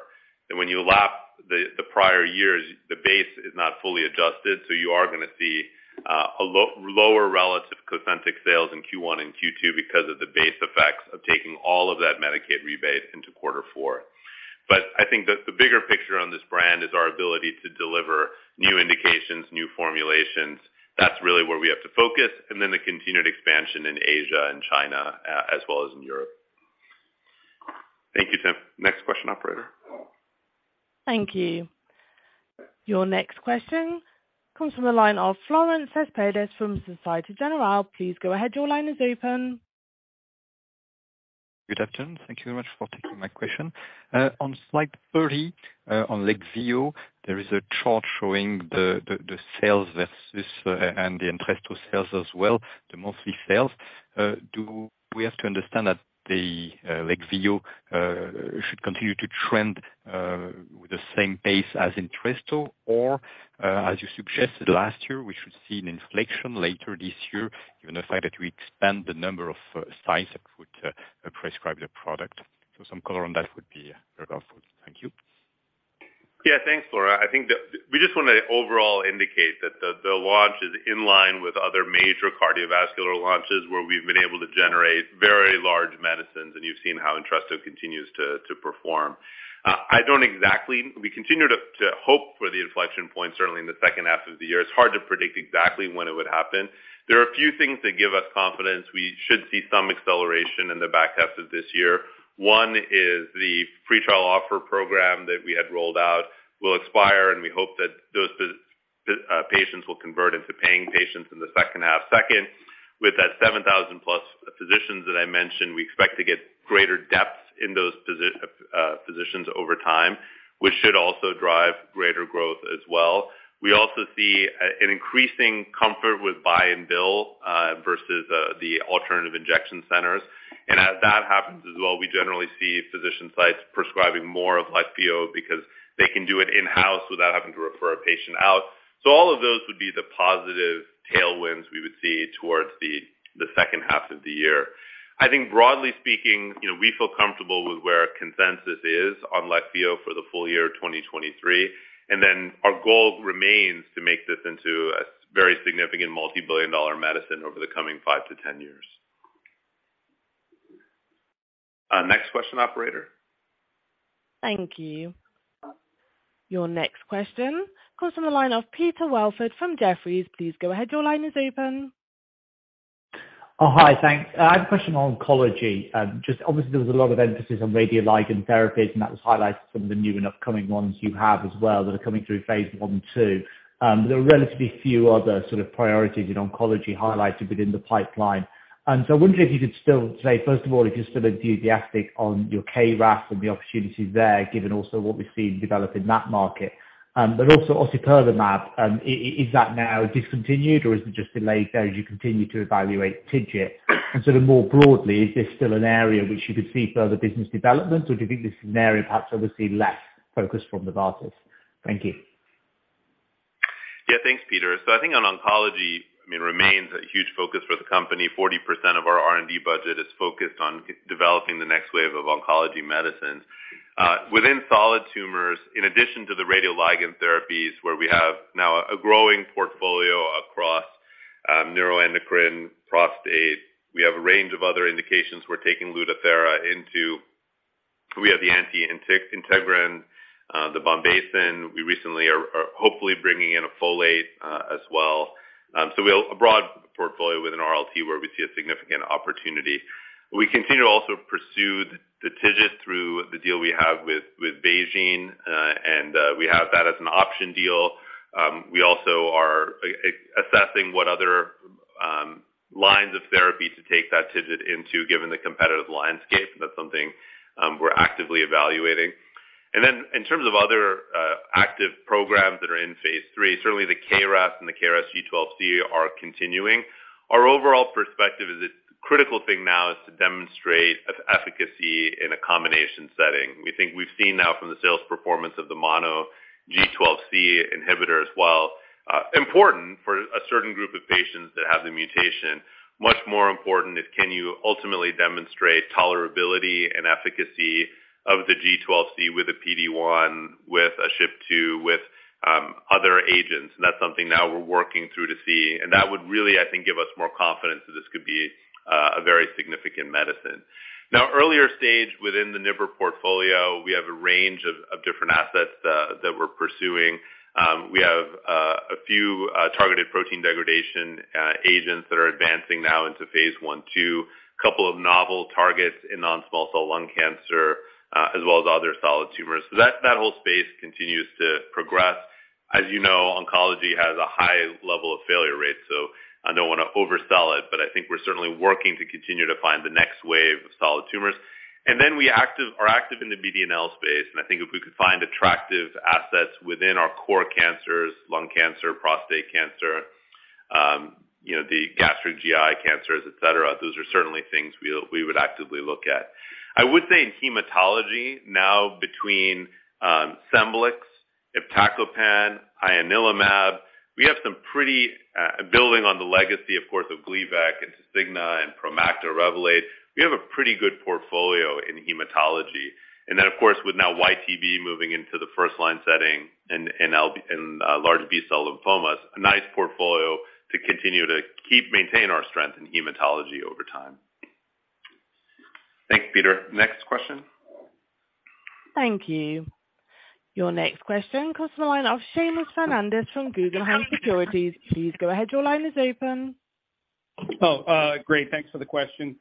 and when you lap the prior years, the base is not fully adjusted. You are gonna see a lower relative COSENTYX sales in Q1 and Q2 because of the base effects of taking all of that Medicaid rebate into quarter four. I think that the bigger picture on this brand is our ability to deliver new indications, new formulations. That's really where we have to focus, and then the continued expansion in Asia and China, as well as in Europe. Thank you, Tim. Next question, operator. Thank you. Your next question comes from the line of Florent Cespedes from Société Générale. Please go ahead. Your line is open. Good afternoon. Thank you very much for taking my question. On slide 30, on LEQVIO, there is a chart showing the sales versus, and ENTRESTO sales as well, the monthly sales. Do we have to understand that the LEQVIO should continue to trend with the same pace as ENTRESTO? Or, as you suggested last year, we should see an inflection later this year given the fact that we expand the number of sites that would prescribe the product. Some color on that would be very helpful. Thank you. Thanks, Florent. I think that we just wanna overall indicate that the launch is in line with other major cardiovascular launches where we've been able to generate very large medicines, and you've seen how ENTRESTO continues to perform. I don't. We continue to hope for the inflection point, certainly in the second half of the year. It's hard to predict exactly when it would happen. There are a few things that give us confidence we should see some acceleration in the back half of this year. One is the free trial offer program that we had rolled out will expire, and we hope that those patients will convert into paying patients in the second half. Second, with that 7,000+ physicians that I mentioned, we expect to get greater depth in those physicians over time, which should also drive greater growth as well. We also see an increasing comfort with buy and bill versus the alternative injection centers. As that happens as well, we generally see physician sites prescribing more of LEQVIO because they can do it in-house without having to refer a patient out. All of those would be the positive tailwinds we would see towards the second half of the year. I think broadly speaking, you know, we feel comfortable with where consensus is on LEQVIO for the full year 2023. Our goal remains to make this into a very significant multi-billion dollar medicine over the coming five to 10 years. Next question, operator. Thank you. Your next question comes from the line of Peter Welford from Jefferies. Please go ahead. Your line is open. Oh, hi. Thanks. I have a question on oncology. Just obviously, there was a lot of emphasis on radioligand therapies, and that was highlighted some of the new and upcoming ones you have as well that are coming through phase I and II. There are relatively few other sort of priorities in oncology highlighted within the pipeline. I wonder if you could still say, first of all, if you're still enthusiastic on your KRAS and the opportunities there, given also what we've seen develop in that market. But also ociperlimab, is that now discontinued or is it just delayed as you continue to evaluate TIGIT? Sort of more broadly, is this still an area which you could see further business development, or do you think this is an area perhaps obviously less focus from Novartis? Thank you. Yeah, thanks, Peter. I think on oncology, I mean, remains a huge focus for the company. 40% of our R&D budget is focused on developing the next wave of oncology medicines. Within solid tumors, in addition to the radioligand therapies, where we have now a growing portfolio across neuroendocrine prostate, we have a range of other indications we're taking LUTATHERA into. We have the anti-integrin, the bombesin. We recently are hopefully bringing in a folate as well. We have a broad portfolio within RLT where we see a significant opportunity. We continue to also pursue the TIGIT through the deal we have with BeiGene, we have that as an option deal. We also are assessing what other lines of therapy to take that TIGIT into, given the competitive landscape. That's something we're actively evaluating. In terms of other active programs that are in phase III, certainly the KRAS and the KRAS G12C are continuing. Our overall perspective is the critical thing now is to demonstrate efficacy in a combination setting. We think we've seen now from the sales performance of the mono G12C inhibitor as well, important for a certain group of patients that have the mutation. Much more important is can you ultimately demonstrate tolerability and efficacy of the G12C with a PD-1, with a SHP2, with other agents. That's something now we're working through to see. That would really, I think, give us more confidence that this could be a very significant medicine. Earlier stage within the NIBR portfolio, we have a range of different assets that we're pursuing. We have a few targeted protein degradation agents that are advancing now into phase I-II, a couple of novel targets in non-small cell lung cancer, as well as other solid tumors. That whole space continues to progress. As you know, oncology has a high level of failure rates, so I don't wanna oversell it, but I think we're certainly working to continue to find the next wave of solid tumors. We are active in the BD&L space, and I think if we could find attractive assets within our core cancers, lung cancer, prostate cancer, you know, the gastric GI cancers, et cetera, those are certainly things we would actively look at. I would say in hematology now between SCEMBLIX, iptacopan, ianalumab, we have some pretty, building on the legacy, of course, of Gleevec and Tasigna and PROMACTA/REVOLADE. We have a pretty good portfolio in hematology. Of course, with now YTB moving into the first line setting in large B-cell lymphomas, a nice portfolio to continue to keep maintaining our strength in hematology over time. Thanks, Peter. Next question. Thank you. Your next question comes from the line of Seamus Fernandez from Guggenheim Securities. Please go ahead. Your line is open. Great. Thanks for the question.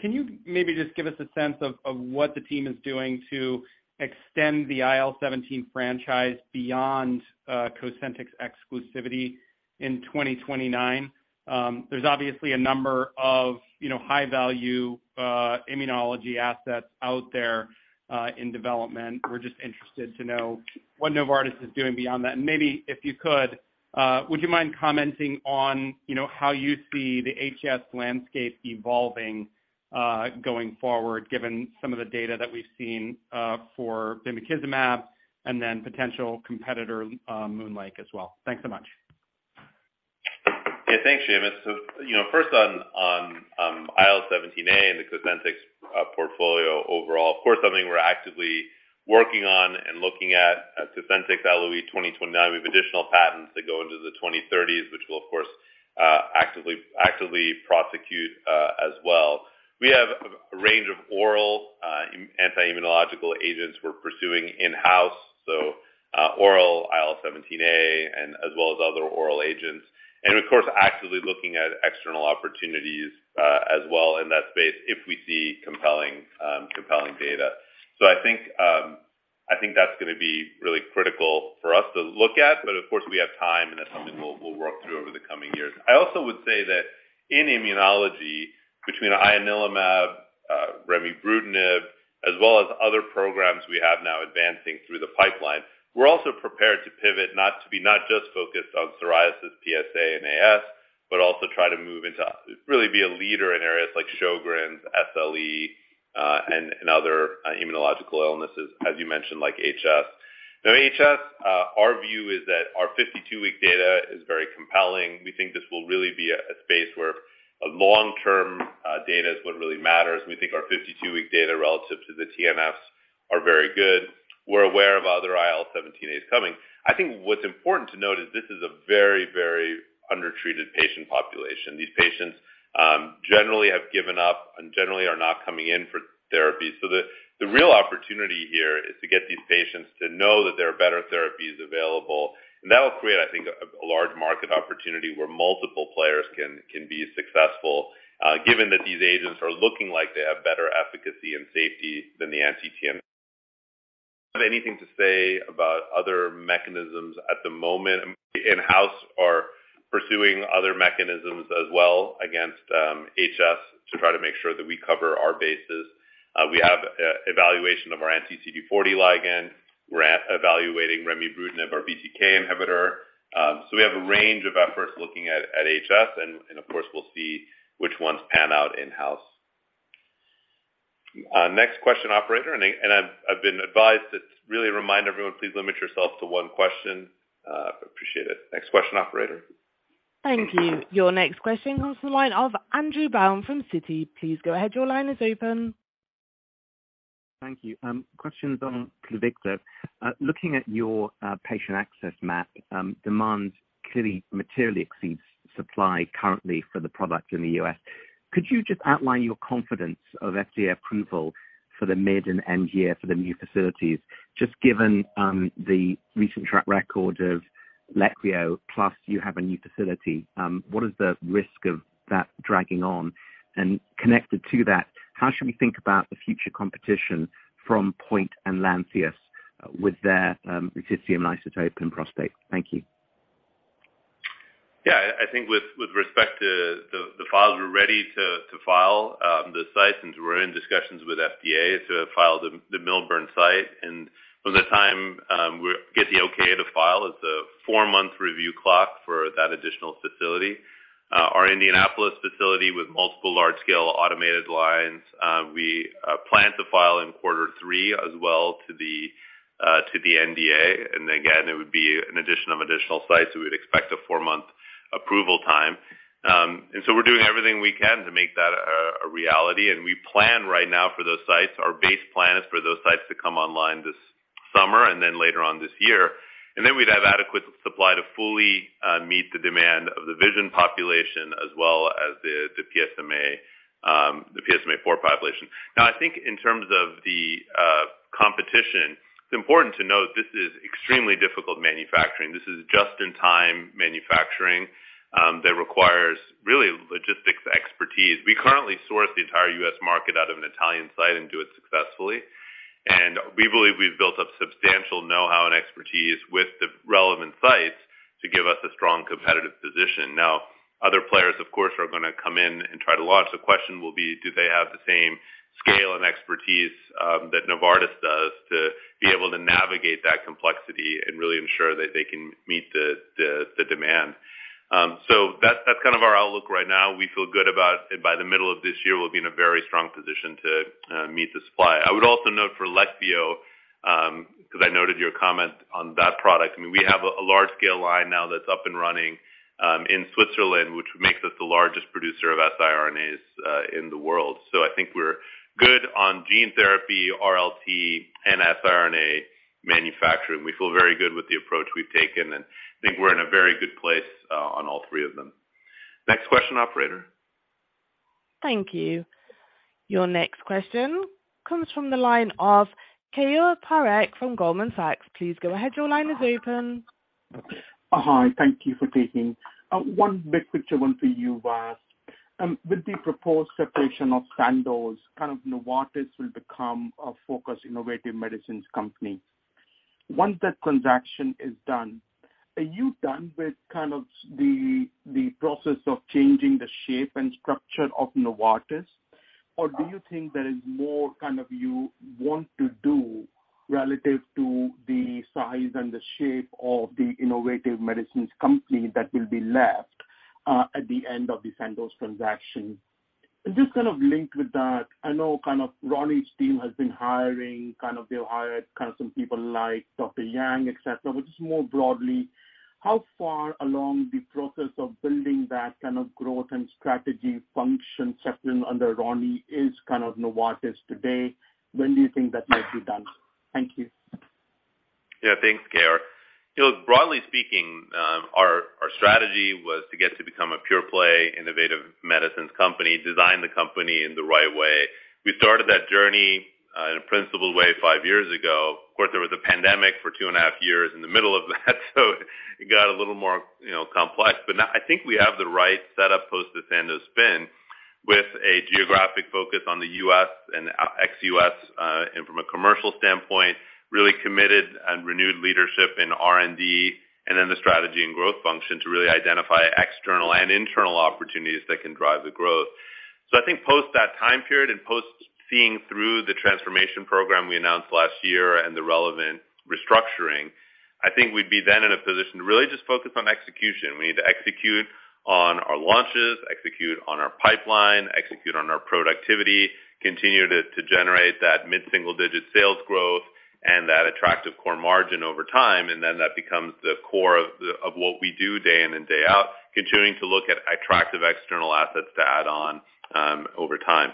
Can you maybe just give us a sense of what the team is doing to extend the IL-17 franchise beyond COSENTYX exclusivity in 2029? There's obviously a number of, you know, high-value immunology assets out there in development. We're just interested to know what Novartis is doing beyond that. Maybe if you could, would you mind commenting on, you know, how you see the HS landscape evolving going forward, given some of the data that we've seen for bimekuzimab and then potential competitor, Moonlake as well? Thanks so much. Yeah. Thanks, Seamus. You know, first on IL-17A and the COSENTYX portfolio overall, of course, something we're actively working on and looking at COSENTYX LOE 2029. We have additional patents that go into the 2030s, which will, of course, actively prosecute as well. We have a range of oral anti-immunological agents we're pursuing in-house, so, oral IL-17A as well as other oral agents. Of course, actively looking at external opportunities as well in that space if we see compelling data. I think that's gonna be really critical for us to look at, but of course, we have time, and that's something we'll work through over the coming years. I also would say that in immunology, between Ianalumab, remibrutinib, as well as other programs we have now advancing through the pipeline, we're also prepared to pivot, not just focused on psoriasis, PSA and AS, but also try to move into, really be a leader in areas like Sjögren's, SLE, and other immunological illnesses, as you mentioned, like HS. HS, our view is that our 52-week data is very compelling. We think this will really be a space where a long-term data is what really matters. We think our 52-week data relative to the TNFs are very good. We're aware of other IL-17A's coming. I think what's important to note is this is a very, very undertreated patient population. These patients generally have given up and generally are not coming in for therapy. The real opportunity here is to get these patients to know that there are better therapies available, and that will create, I think, a large market opportunity where multiple players can be successful, given that these agents are looking like they have better efficacy and safety than the anti-TNFs. Have anything to say about other mechanisms at the moment. We in-house are pursuing other mechanisms as well against hidradenitis suppurativa to try to make sure that we cover our bases. We have evaluation of our anti-CD40 ligand. We're evaluating remibrutinib, our BTK inhibitor. We have a range of efforts looking at hidradenitis suppurativa and of course we'll see which ones pan out in-house. Next question, operator, I've been advised to really remind everyone, please limit yourself to one question. Appreciate it. Next question, operator. Thank you. Your next question comes from the line of Andrew Baum from Citi. Please go ahead. Your line is open. Thank you. Questions on PLUVICTO. Looking at your patient access map, demand clearly materially exceeds supply currently for the product in the U.S. Could you just outline your confidence of FDA approval for the mid and end year for the new facilities? Just given the recent track record of LEQVIO, plus you have a new facility, what is the risk of that dragging on? Connected to that, how should we think about the future competition from Point and Lantheus with their lutetium isotope and prospect? Thank you. Yeah. I think with respect to the files, we're ready to file the site since we're in discussions with FDA to file the Millburn site. From the time we get the okay to file is a four-month review clock for that additional facility. Our Indianapolis facility with multiple large scale automated lines, we plan to file in quarter three as well to the NDA. Again, it would be an addition of additional sites. We would expect a four-month approval time. We're doing everything we can to make that a reality. We plan right now for those sites. Our base plan is for those sites to come online this summer and then later on this year. We'd have adequate supply to fully meet the demand of the VISION population as well as the PSMAfore population. I think in terms of the competition, it's important to note this is extremely difficult manufacturing. This is just-in-time manufacturing that requires really logistics expertise. We currently source the entire U.S. market out of an Italian site and do it successfully. We believe we've built up substantial know-how and expertise with the relevant sites to give us a strong competitive position. Other players, of course, are gonna come in and try to launch. The question will be, do they have the same scale and expertise that Novartis does to be able to navigate that complexity and really ensure that they can meet the demand? That's, that's kind of our outlook right now. We feel good about it. By the middle of this year, we'll be in a very strong position to meet the supply. I would also note for LEQVIO, 'cause I noted your comment on that product. I mean, we have a large scale line now that's up and running in Switzerland, which makes us the largest producer of siRNAs in the world. I think we're good on gene therapy, RLT, and siRNA manufacturing. We feel very good with the approach we've taken, and I think we're in a very good place on all three of them. Next question, operator. Thank you. Your next question comes from the line of Keyur Parekh from Goldman Sachs. Please go ahead. Your line is open. Hi. Thank you for taking. One big picture one for you, Vas. With the proposed separation of Sandoz, Novartis will become a focused innovative medicines company. Once that transaction is done, are you done with the process of changing the shape and structure of Novartis? Or do you think there is more you want to do relative to the size and the shape of the innovative medicines company that will be left at the end of the Sandoz transaction? Just linked with that, I know Ronny team has been hiring, they've hired some people like Dr. Yang, et cetera. Just more broadly, how far along the process of building that growth and strategy function settled under Ronnie is Novartis today? When do you think that might be done? Thank you. Yeah. Thanks, Keyur. You know, broadly speaking, our strategy was to get to become a pure play innovative medicines company, design the company in the right way. We started that journey in a principled way five years ago. Of course, there was a pandemic for 2.5 years in the middle of that, so it got a little more, you know, complex. Now I think we have the right setup post the Sandoz spin with a geographic focus on the U.S. and ex-U.S., and from a commercial standpoint, really committed and renewed leadership in R&D, and then the strategy and growth function to really identify external and internal opportunities that can drive the growth. I think post that time period and post seeing through the transformation program we announced last year and the relevant restructuring, I think we'd be then in a position to really just focus on execution. We need to execute on our launches, execute on our pipeline, execute on our productivity, continue to generate that mid-single digit sales growth. And that attractive core margin over time, and then that becomes the core of what we do day in and day out, continuing to look at attractive external assets to add on over time.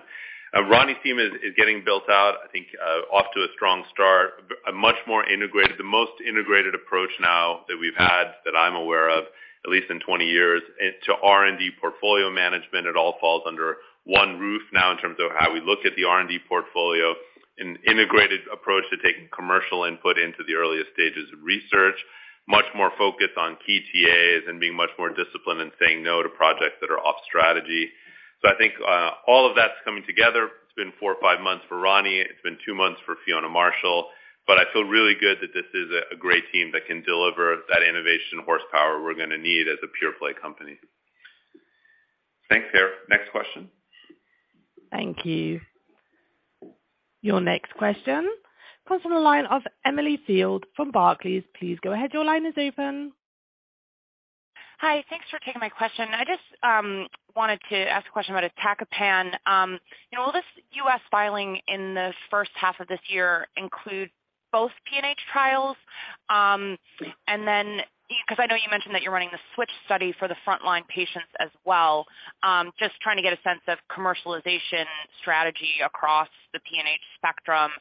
Ronny's team is getting built out, I think, off to a strong start, a much more integrated, the most integrated approach now that we've had that I'm aware of, at least in 20 years. To R&D portfolio management, it all falls under one roof now in terms of how we look at the R&D portfolio, an integrated approach to taking commercial input into the earliest stages of research, much more focused on key TAs and being much more disciplined and saying no to projects that are off strategy. I think, all of that's coming together. It's been four or five months for Ronny. It's been two months for Fiona Marshall. I feel really good that this is a great team that can deliver that innovation horsepower we're gonna need as a pure-play company. Thanks, Keyur. Next question. Thank you. Your next question comes from the line of Emily Field from Barclays. Please go ahead. Your line is open. Hi. Thanks for taking my question. I just wanted to ask a question about iptacopan. You know, will this U.S. filing in the first half of this year include both PNH trials? Then 'cause I know you mentioned that you're running the switch study for the frontline patients as well. Just trying to get a sense of commercialization strategy across the PNH spectrum.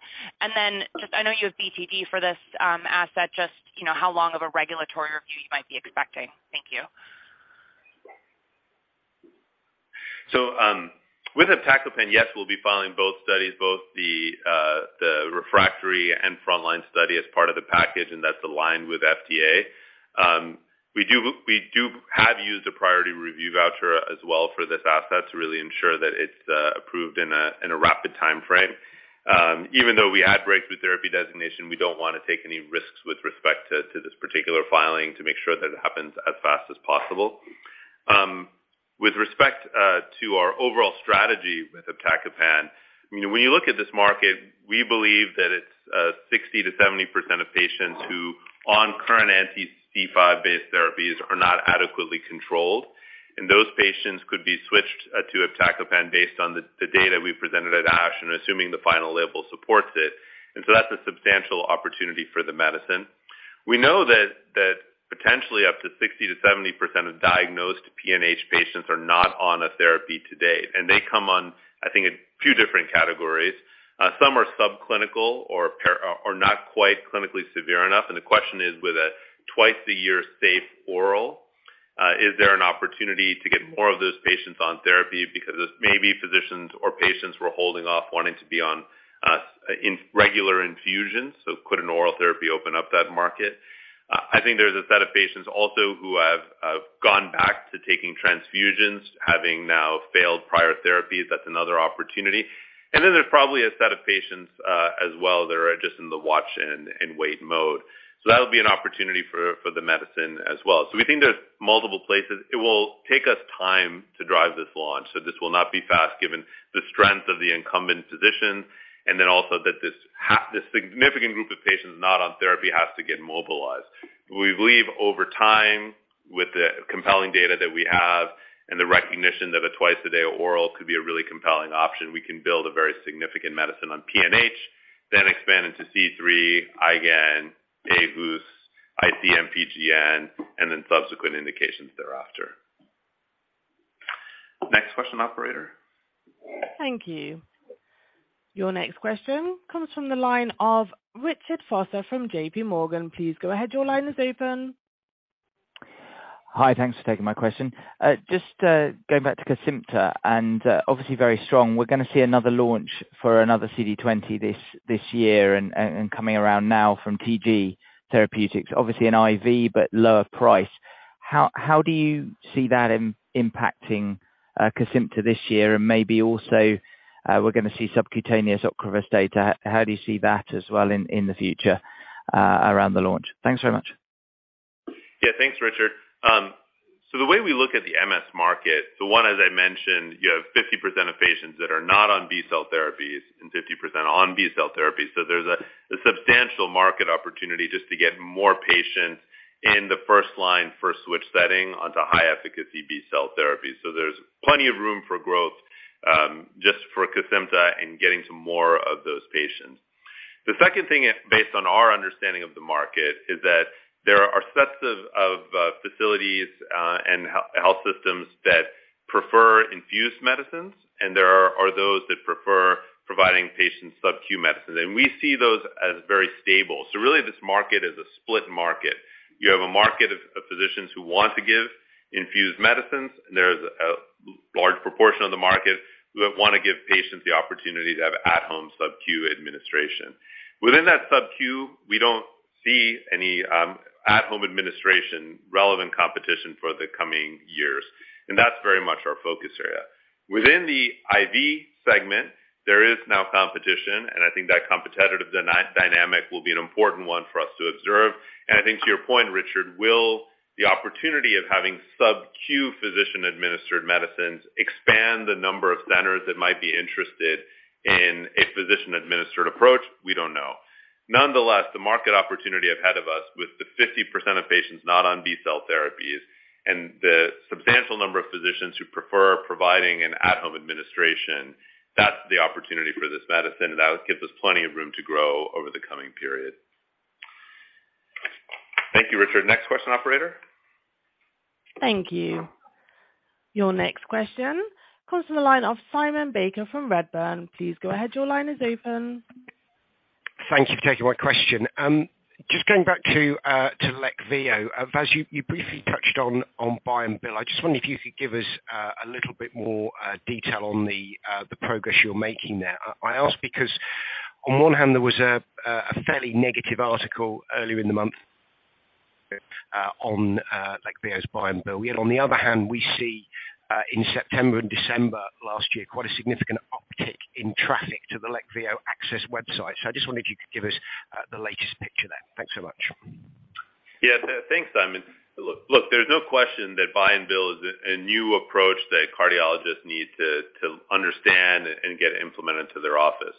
Then just I know you have BTD for this asset, just, you know, how long of a regulatory review you might be expecting. Thank you. With iptacopan, yes, we'll be filing both studies, both the refractory and frontline study as part of the package, and that's aligned with FDA. We have used a Priority Review Voucher as well for this asset to really ensure that it's approved in a rapid timeframe. Even though we had Breakthrough Therapy Designation, we don't wanna take any risks with respect to this particular filing to make sure that it happens as fast as possible. With respect to our overall strategy with iptacopan, I mean, when you look at this market, we believe that it's 60%-70% of patients who on current anti-C5-based therapies are not adequately controlled, and those patients could be switched to iptacopan based on the data we presented at ASH and assuming the final label supports it. That's a substantial opportunity for the medicine. We know that potentially up to 60%-70% of diagnosed PNH patients are not on a therapy to date, and they come on, I think, a few different categories. Some are subclinical or not quite clinically severe enough. The question is, with a twice-a-year safe oral, is there an opportunity to get more of those patients on therapy? Because it's maybe physicians or patients were holding off wanting to be on in regular infusions, so could an oral therapy open up that market? I think there's a set of patients also who have gone back to taking transfusions, having now failed prior therapies. That's another opportunity. Then there's probably a set of patients as well that are just in the watch and wait mode. That'll be an opportunity for the medicine as well. We think there's multiple places. It will take us time to drive this launch, so this will not be fast given the strength of the incumbent position, and then also that this significant group of patients not on therapy has to get mobilized. We believe over time, with the compelling data that we have and the recognition that a twice-a-day oral could be a really compelling option, we can build a very significant medicine on PNH, then expand into C3, IgAN, aHUS, IC-MPGN, and then subsequent indications thereafter. Next question, operator. Thank you. Your next question comes from the line of Richard Vosser from JPMorgan. Please go ahead. Your line is open. Hi. Thanks for taking my question. Just going back to KESIMPTA and obviously very strong. We're gonna see another launch for another CD20 this year and coming around now from TG Therapeutics, obviously an IV but lower price. How do you see that impacting KESIMPTA this year? Maybe also, we're gonna see subcutaneous Ocrevus data. How do you see that as well in the future around the launch? Thanks very much. Yeah. Thanks, Richard. The way we look at the MS market, one, as I mentioned, you have 50% of patients that are not on B-cell therapies and 50% on B-cell therapies. There's a substantial market opportunity just to get more patients in the first line, first switch setting onto high-efficacy B-cell therapies. There's plenty of room for growth, just for KESIMPTA and getting to more of those patients. The second thing, based on our understanding of the market, is that there are sets of facilities and health systems that prefer infused medicines and there are those that prefer providing patients sub-Q medicines, and we see those as very stable. Really this market is a split market. You have a market of physicians who want to give infused medicines. There's a large proportion of the market who want to give patients the opportunity to have at-home sub-Q administration. Within that sub-Q, we don't see any at-home administration relevant competition for the coming years. That's very much our focus area. Within the IV segment, there is now competition. I think that competitive dynamic will be an important one for us to observe. I think to your point, Richard, will the opportunity of having sub-Q physician-administered medicines expand the number of centers that might be interested in a physician-administered approach? We don't know. Nonetheless, the market opportunity ahead of us with the 50% of patients not on B-cell therapies and the substantial number of physicians who prefer providing an at-home administration, that's the opportunity for this medicine, and that gives us plenty of room to grow over the coming period. Thank you, Richard. Next question, operator. Thank you. Your next question comes from the line of Simon Baker from Redburn. Please go ahead. Your line is open. Thank you for taking my question. Just going back to LEQVIO. Vas, you briefly touched on buy and bill. I just wonder if you could give us a little bit more detail on the progress you're making there. I ask because on one hand there was a fairly negative article earlier in the month on LEQVIO's buy and bill. On the other hand, we see in September and December last year, quite a significant uptick in traffic to the LEQVIO Access website. I just wondered if you could give us the latest picture then. Thanks so much. Yeah. Thanks, Simon. Look, look, there's no question that buy and bill is a new approach that cardiologists need to understand and get implemented to their office.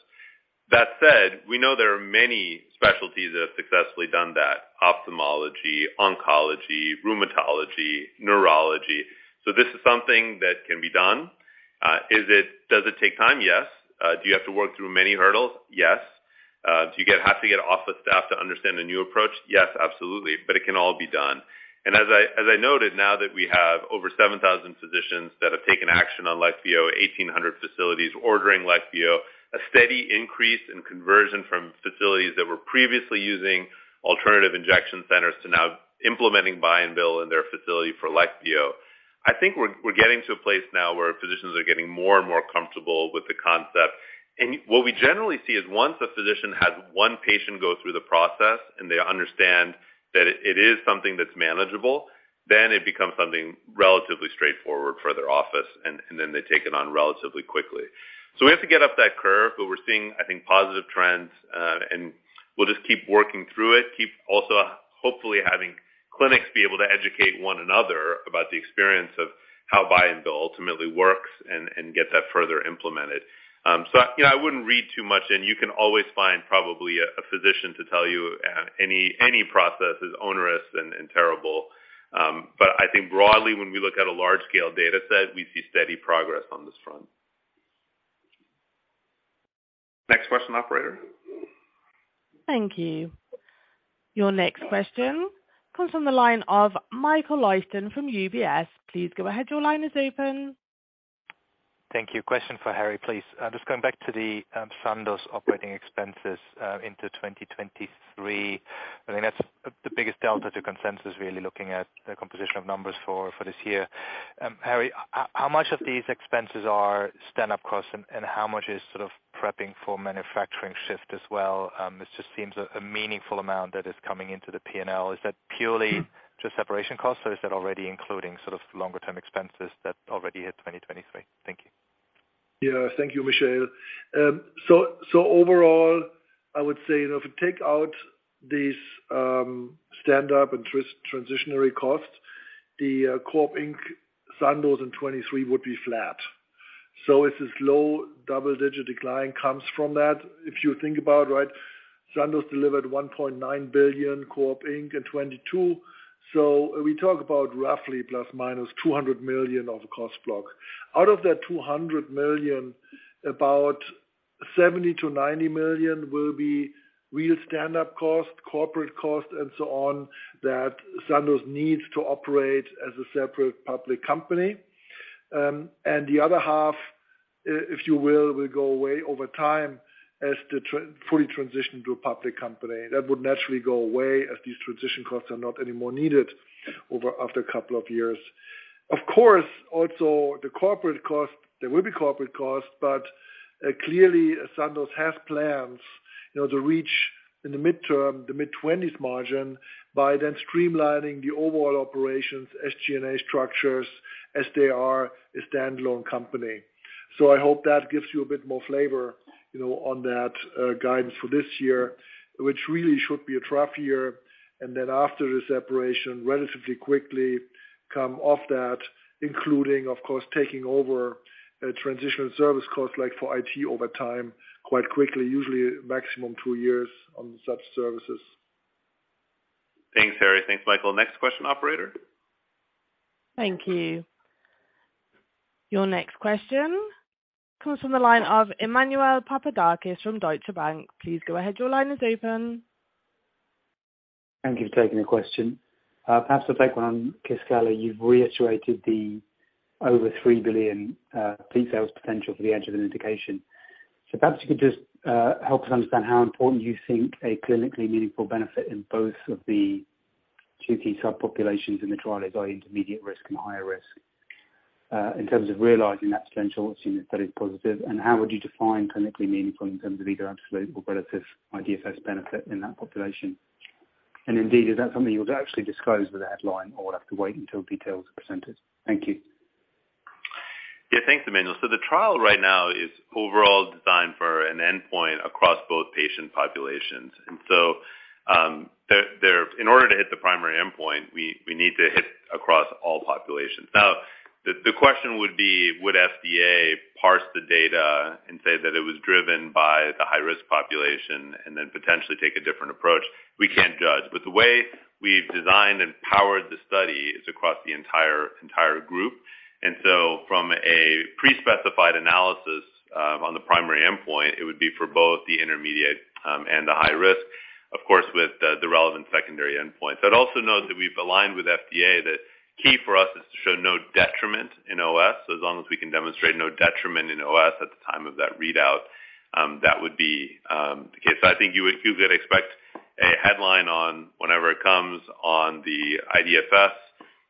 That said, we know there are many specialties that have successfully done that. Ophthalmology, oncology, rheumatology, neurology. This is something that can be done. Does it take time? Yes. Do you have to work through many hurdles? Yes. Do you have to get office staff to understand a new approach? Yes, absolutely. It can all be done. As I noted, now that we have over 7,000 physicians that have taken action on LEQVIO, 1,800 facilities ordering LEQVIO, a steady increase in conversion from facilities that were previously using alternative injection centers to now implementing buy and bill in their facility for LEQVIO. I think we're getting to a place now where physicians are getting more and more comfortable with the concept. What we generally see is once a physician has one patient go through the process and they understand that it is something that's manageable, then it becomes something relatively straightforward for their office, and then they take it on relatively quickly. We have to get up that curve, but we're seeing, I think, positive trends. We'll just keep working through it. Keep also, hopefully, having clinics be able to educate one another about the experience of how buy and bill ultimately works and get that further implemented. You know, I wouldn't read too much in. You can always find probably a physician to tell you any process is onerous and terrible. I think broadly when we look at a large scale data set, we see steady progress on this front. Next question, operator. Thank you. Your next question comes from the line of Michael Leuchten from UBS. Please go ahead. Your line is open. Thank you. Question for Harry, please. just going back to the Sandoz operating expenses into 2023. I think that's the biggest delta to consensus, really looking at the composition of numbers for this year. Harry, how much of these expenses are stand-up costs and how much is sort of prepping for manufacturing shift as well? it just seems a meaningful amount that is coming into the P&L. Is that purely just separation costs, or is that already including sort of longer term expenses that already hit 2023? Thank you. Yeah. Thank you, Michael. Overall, I would say if you take out these, stand up and transitionary costs, the Core Income Sandoz in 2023 would be flat. It's this low double-digit decline comes from that. If you think about, right, Sandoz delivered $1.9 billion Core Income in 2022. We talk about roughly ±$200 million of cost block. Out of that $200 million, about $70 million-$90 million will be real standup costs, corporate costs, and so on, that Sandoz needs to operate as a separate public company. The other half, if you will go away over time as the fully transition to a public company. That would naturally go away as these transition costs are not anymore needed after a couple of years. Also the corporate costs, there will be corporate costs, but clearly Sandoz has plans, you know, to reach in the mid-term, the mid-20s margin by then streamlining the overall operations, SG&A structures as they are a standalone company. I hope that gives you a bit more flavor, you know, on that guidance for this year, which really should be a trough year. After the separation, relatively quickly come off that including, of course, taking over transitional service costs like for IT over time quite quickly, usually maximum two years on such services. Thanks, Harry. Thanks, Michael. Next question, operator. Thank you. Your next question comes from the line of Emmanuel Papadakis from Deutsche Bank. Please go ahead. Your line is open. Thank you for taking the question. Perhaps I'll take one on KISQALI. You've reiterated the over $3 billion peak sales potential for the adjuvant indication. Perhaps you could just help us understand how important you think a clinically meaningful benefit in both of the two key subpopulations in the trial is, are intermediate risk and higher risk, in terms of realizing that potential, assuming the study is positive, and how would you define clinically meaningful in terms of either absolute or relative IDFS benefit in that population? Indeed, is that something you'll actually disclose with a headline or we'll have to wait until details are presented? Thank you. Thanks, Emmanuel. The trial right now is overall designed for an endpoint across both patient populations. In order to hit the primary endpoint, we need to hit across all populations. The question would be, would FDA parse the data and say that it was driven by the high-risk population and then potentially take a different approach? We can't judge. The way we've designed and powered the study is across the entire group. From a pre-specified analysis on the primary endpoint, it would be for both the intermediate and the high risk, of course, with the relevant secondary endpoint. Also note that we've aligned with FDA. The key for us is to show no detriment in OS. As long as we can demonstrate no detriment in OS at the time of that readout, that would be the case. I think you could expect a headline on whenever it comes on the IDFS,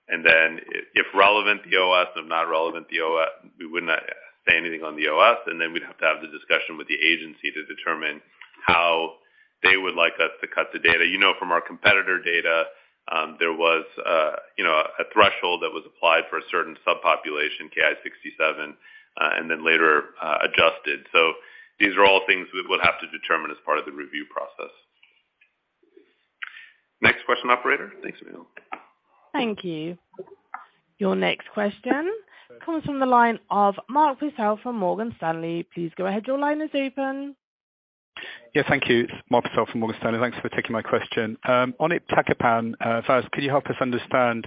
and then if relevant, the OS, if not relevant, the OS. We would not say anything on the OS, and then we'd have to have the discussion with the agency to determine how they would like us to cut the data. You know, from our competitor data, there was, you know, a threshold that was applied for a certain subpopulation Ki-67, and then later adjusted. These are all things we would have to determine as part of the review process. Next question, operator. Thanks, Emmanuel. Thank you. Your next question comes from the line of Mark Purcell from Morgan Stanley. Please go ahead. Your line is open. Yeah, thank you. Mark Purcell from Morgan Stanley. Thanks for taking my question. On iptacopan, first can you help us understand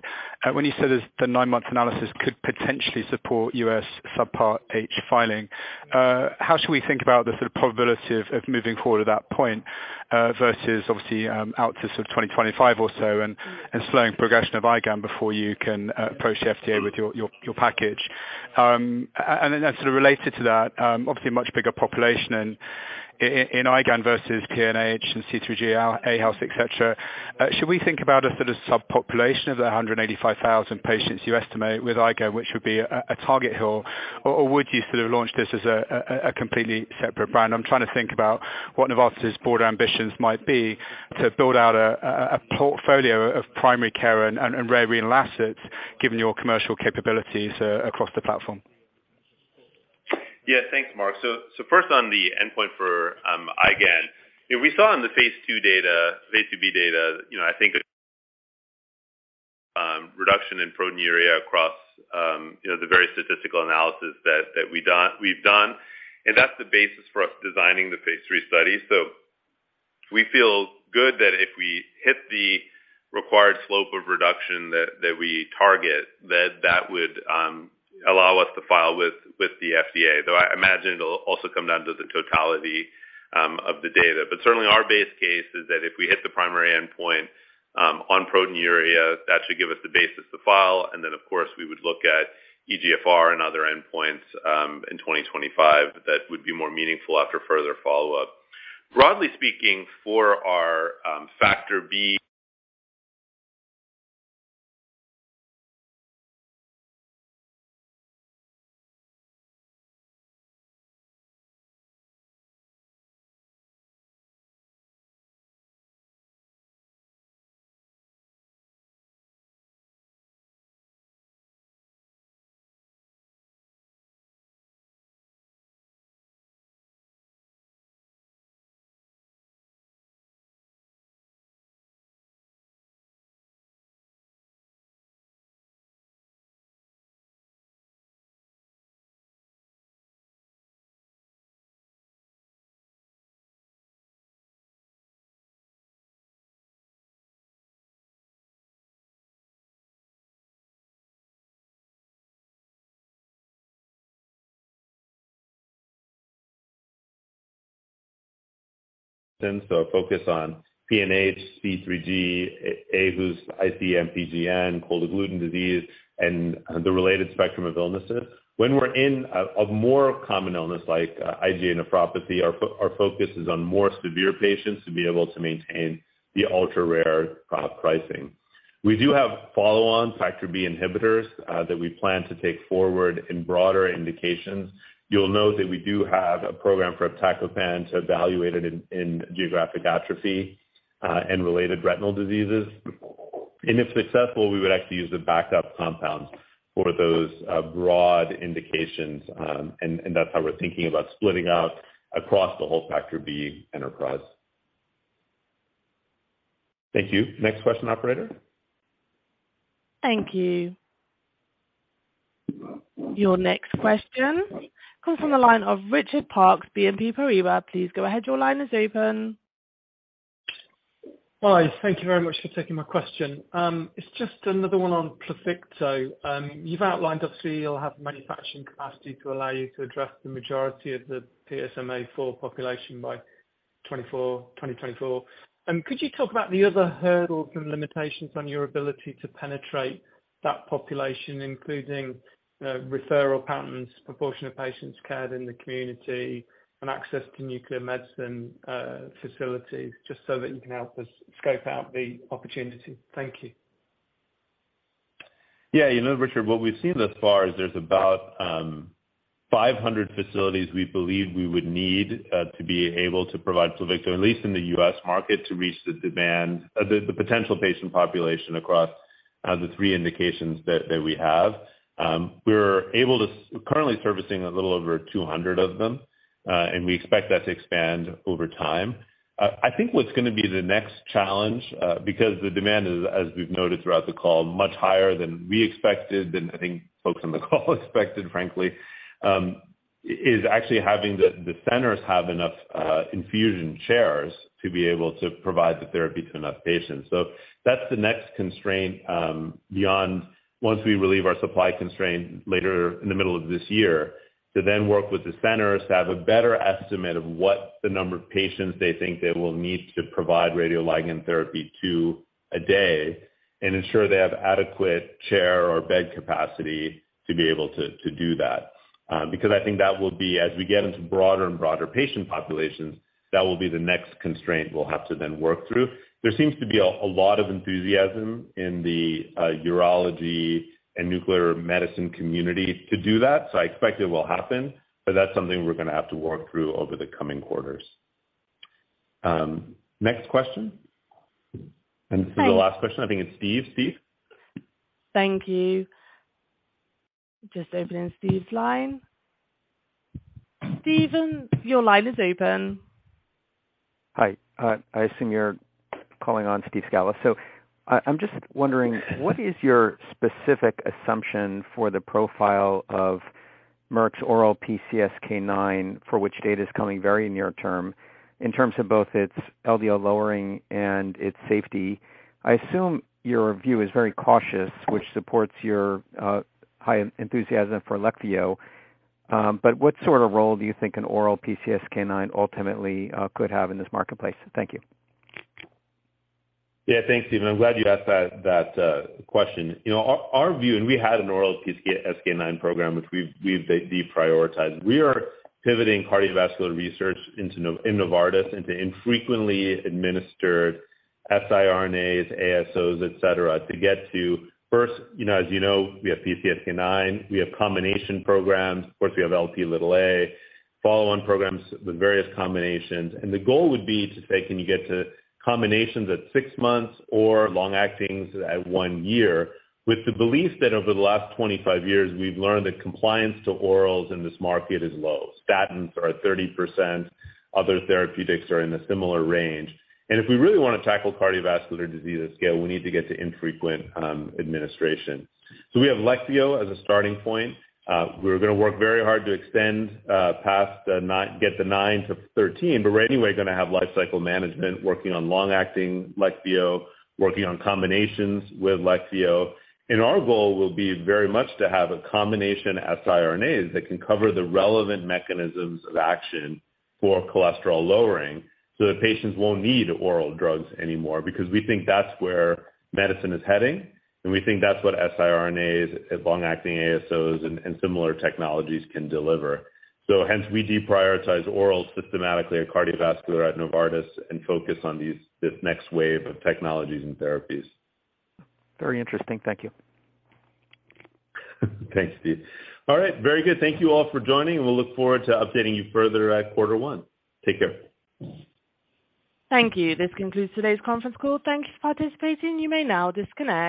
when you said it's the 9-month analysis could potentially support U.S. Subpart H filing, how should we think about the sort of probability of moving forward at that point versus obviously out to sort of 2025 or so and slowing progression of IgAN before you can approach the FDA with your package? Related to that, obviously a much bigger population in IgAN versus PNH and C3G, aHUS, et cetera. Should we think about a sort of subpopulation of the 185,000 patients you estimate with IgAN, which would be a target hill? Would you sort of launch this as a completely separate brand? I'm trying to think about what Novartis' broader ambitions might be to build out a portfolio of primary care and rare renal assets given your commercial capabilities across the platform. Thanks, Mark. First on the endpoint for IgAN. You know, we saw in the phase II data, phase II-B data, you know, I think, reduction in proteinuria across, you know, the very statistical analysis that we've done. That's the basis for us designing the phase III study. We feel good that if we hit the required slope of reduction that we target, that would allow us to file with the FDA. Though I imagine it'll also come down to the totality of the data. Certainly our base case is that if we hit the primary endpoint on proteinuria, that should give us the basis to file. Then, of course, we would look at EGFR and other endpoints in 2025 that would be more meaningful after further follow-up. Broadly speaking, for our factor B, a focus on PNH, C3G, aHUS, IC-MPGN, MPGN, cold agglutinin disease, and the related spectrum of illnesses. When we're in a more common illness like IgA nephropathy, our focus is on more severe patients to be able to maintain the ultra-rare pricing. We do have follow-on factor B inhibitors that we plan to take forward in broader indications. You'll note that we do have a program for iptacopan to evaluate it in geographic atrophy and related retinal diseases. If successful, we would actually use the backup compounds for those broad indications, and that's how we're thinking about splitting out across the whole factor B enterprise. Thank you. Next question, operator. Thank you. Your next question comes from the line of Richard Parkes, BNP Paribas. Please go ahead. Your line is open. Hi. Thank you very much for taking my question. It's just another one on PLUVICTO. You've outlined obviously you'll have manufacturing capacity to allow you to address the majority of the PSMAfore population by 2024. Could you talk about the other hurdles and limitations on your ability to penetrate that population, including referral patterns, proportion of patients cared in the community, and access to nuclear medicine facilities, just so that you can help us scope out the opportunity? Thank you. Yeah. You know, Richard, what we've seen thus far is there's about 500 facilities we believe we would need to be able to provide PLUVICTO, at least in the U.S. market, to reach the demand, the potential patient population across the three indications that we have. We're able to currently servicing a little over 200 of them, and we expect that to expand over time. I think what's gonna be the next challenge, because the demand is, as we've noted throughout the call, much higher than we expected, than I think folks on the call expected, frankly, is actually having the centers have enough infusion chairs to be able to provide the therapy to enough patients. That's the next constraint, beyond once we relieve our supply constraint later in the middle of this year, to then work with the centers to have a better estimate of what the number of patients they think they will need to provide radioligand therapy to a day and ensure they have adequate chair or bed capacity to be able to do that. I think that will be as we get into broader and broader patient populations, that will be the next constraint we'll have to then work through. There seems to be a lot of enthusiasm in the urology and nuclear medicine community to do that, so I expect it will happen, but that's something we're gonna have to work through over the coming quarters. Next question. Thank- This is the last question. I think it's Steve. Steve? Thank you. Just opening Steve's line. Steven, your line is open. Hi. I assume you're calling on Steve Scala. I'm just wondering, what is your specific assumption for the profile of Merck's oral PCSK9, for which data is coming very near term, in terms of both its LDL lowering and its safety? I assume your view is very cautious, which supports your high enthusiasm for LEQVIO. What sort of role do you think an oral PCSK9 ultimately could have in this marketplace? Thank you. Thanks, Steven. I'm glad you asked that question. You know, our view, we had an oral PCSK9 program, which we've de-prioritized. We are pivoting cardiovascular research in Novartis into infrequently administered siRNAs, ASOs, et cetera, to get to first, you know, as you know, we have PCSK9, we have combination programs. Of course, we have Lp(a), follow-on programs with various combinations. The goal would be to say, can you get to combinations at six months or long-actings at one year with the belief that over the last 25 years we've learned that compliance to orals in this market is low. Statins are at 30%. Other therapeutics are in a similar range. If we really wanna tackle cardiovascular disease at scale, we need to get to infrequent administration. We have LEQVIO as a starting point. we're gonna work very hard to extend past the 9, get the 9-13, but we're anyway gonna have lifecycle management working on long-acting LEQVIO, working on combinations with LEQVIO. Our goal will be very much to have a combination siRNAs that can cover the relevant mechanisms of action for cholesterol lowering so that patients won't need oral drugs anymore because we think that's where medicine is heading, and we think that's what siRNAs and long-acting ASOs and similar technologies can deliver. Hence we deprioritize orals systematically at cardiovascular at Novartis and focus on these, this next wave of technologies and therapies. Very interesting. Thank you. Thanks, Steve. All right. Very good. Thank you all for joining. We'll look forward to updating you further at quarter one. Take care. Thank you. This concludes today's conference call. Thank you for participating. You may now disconnect.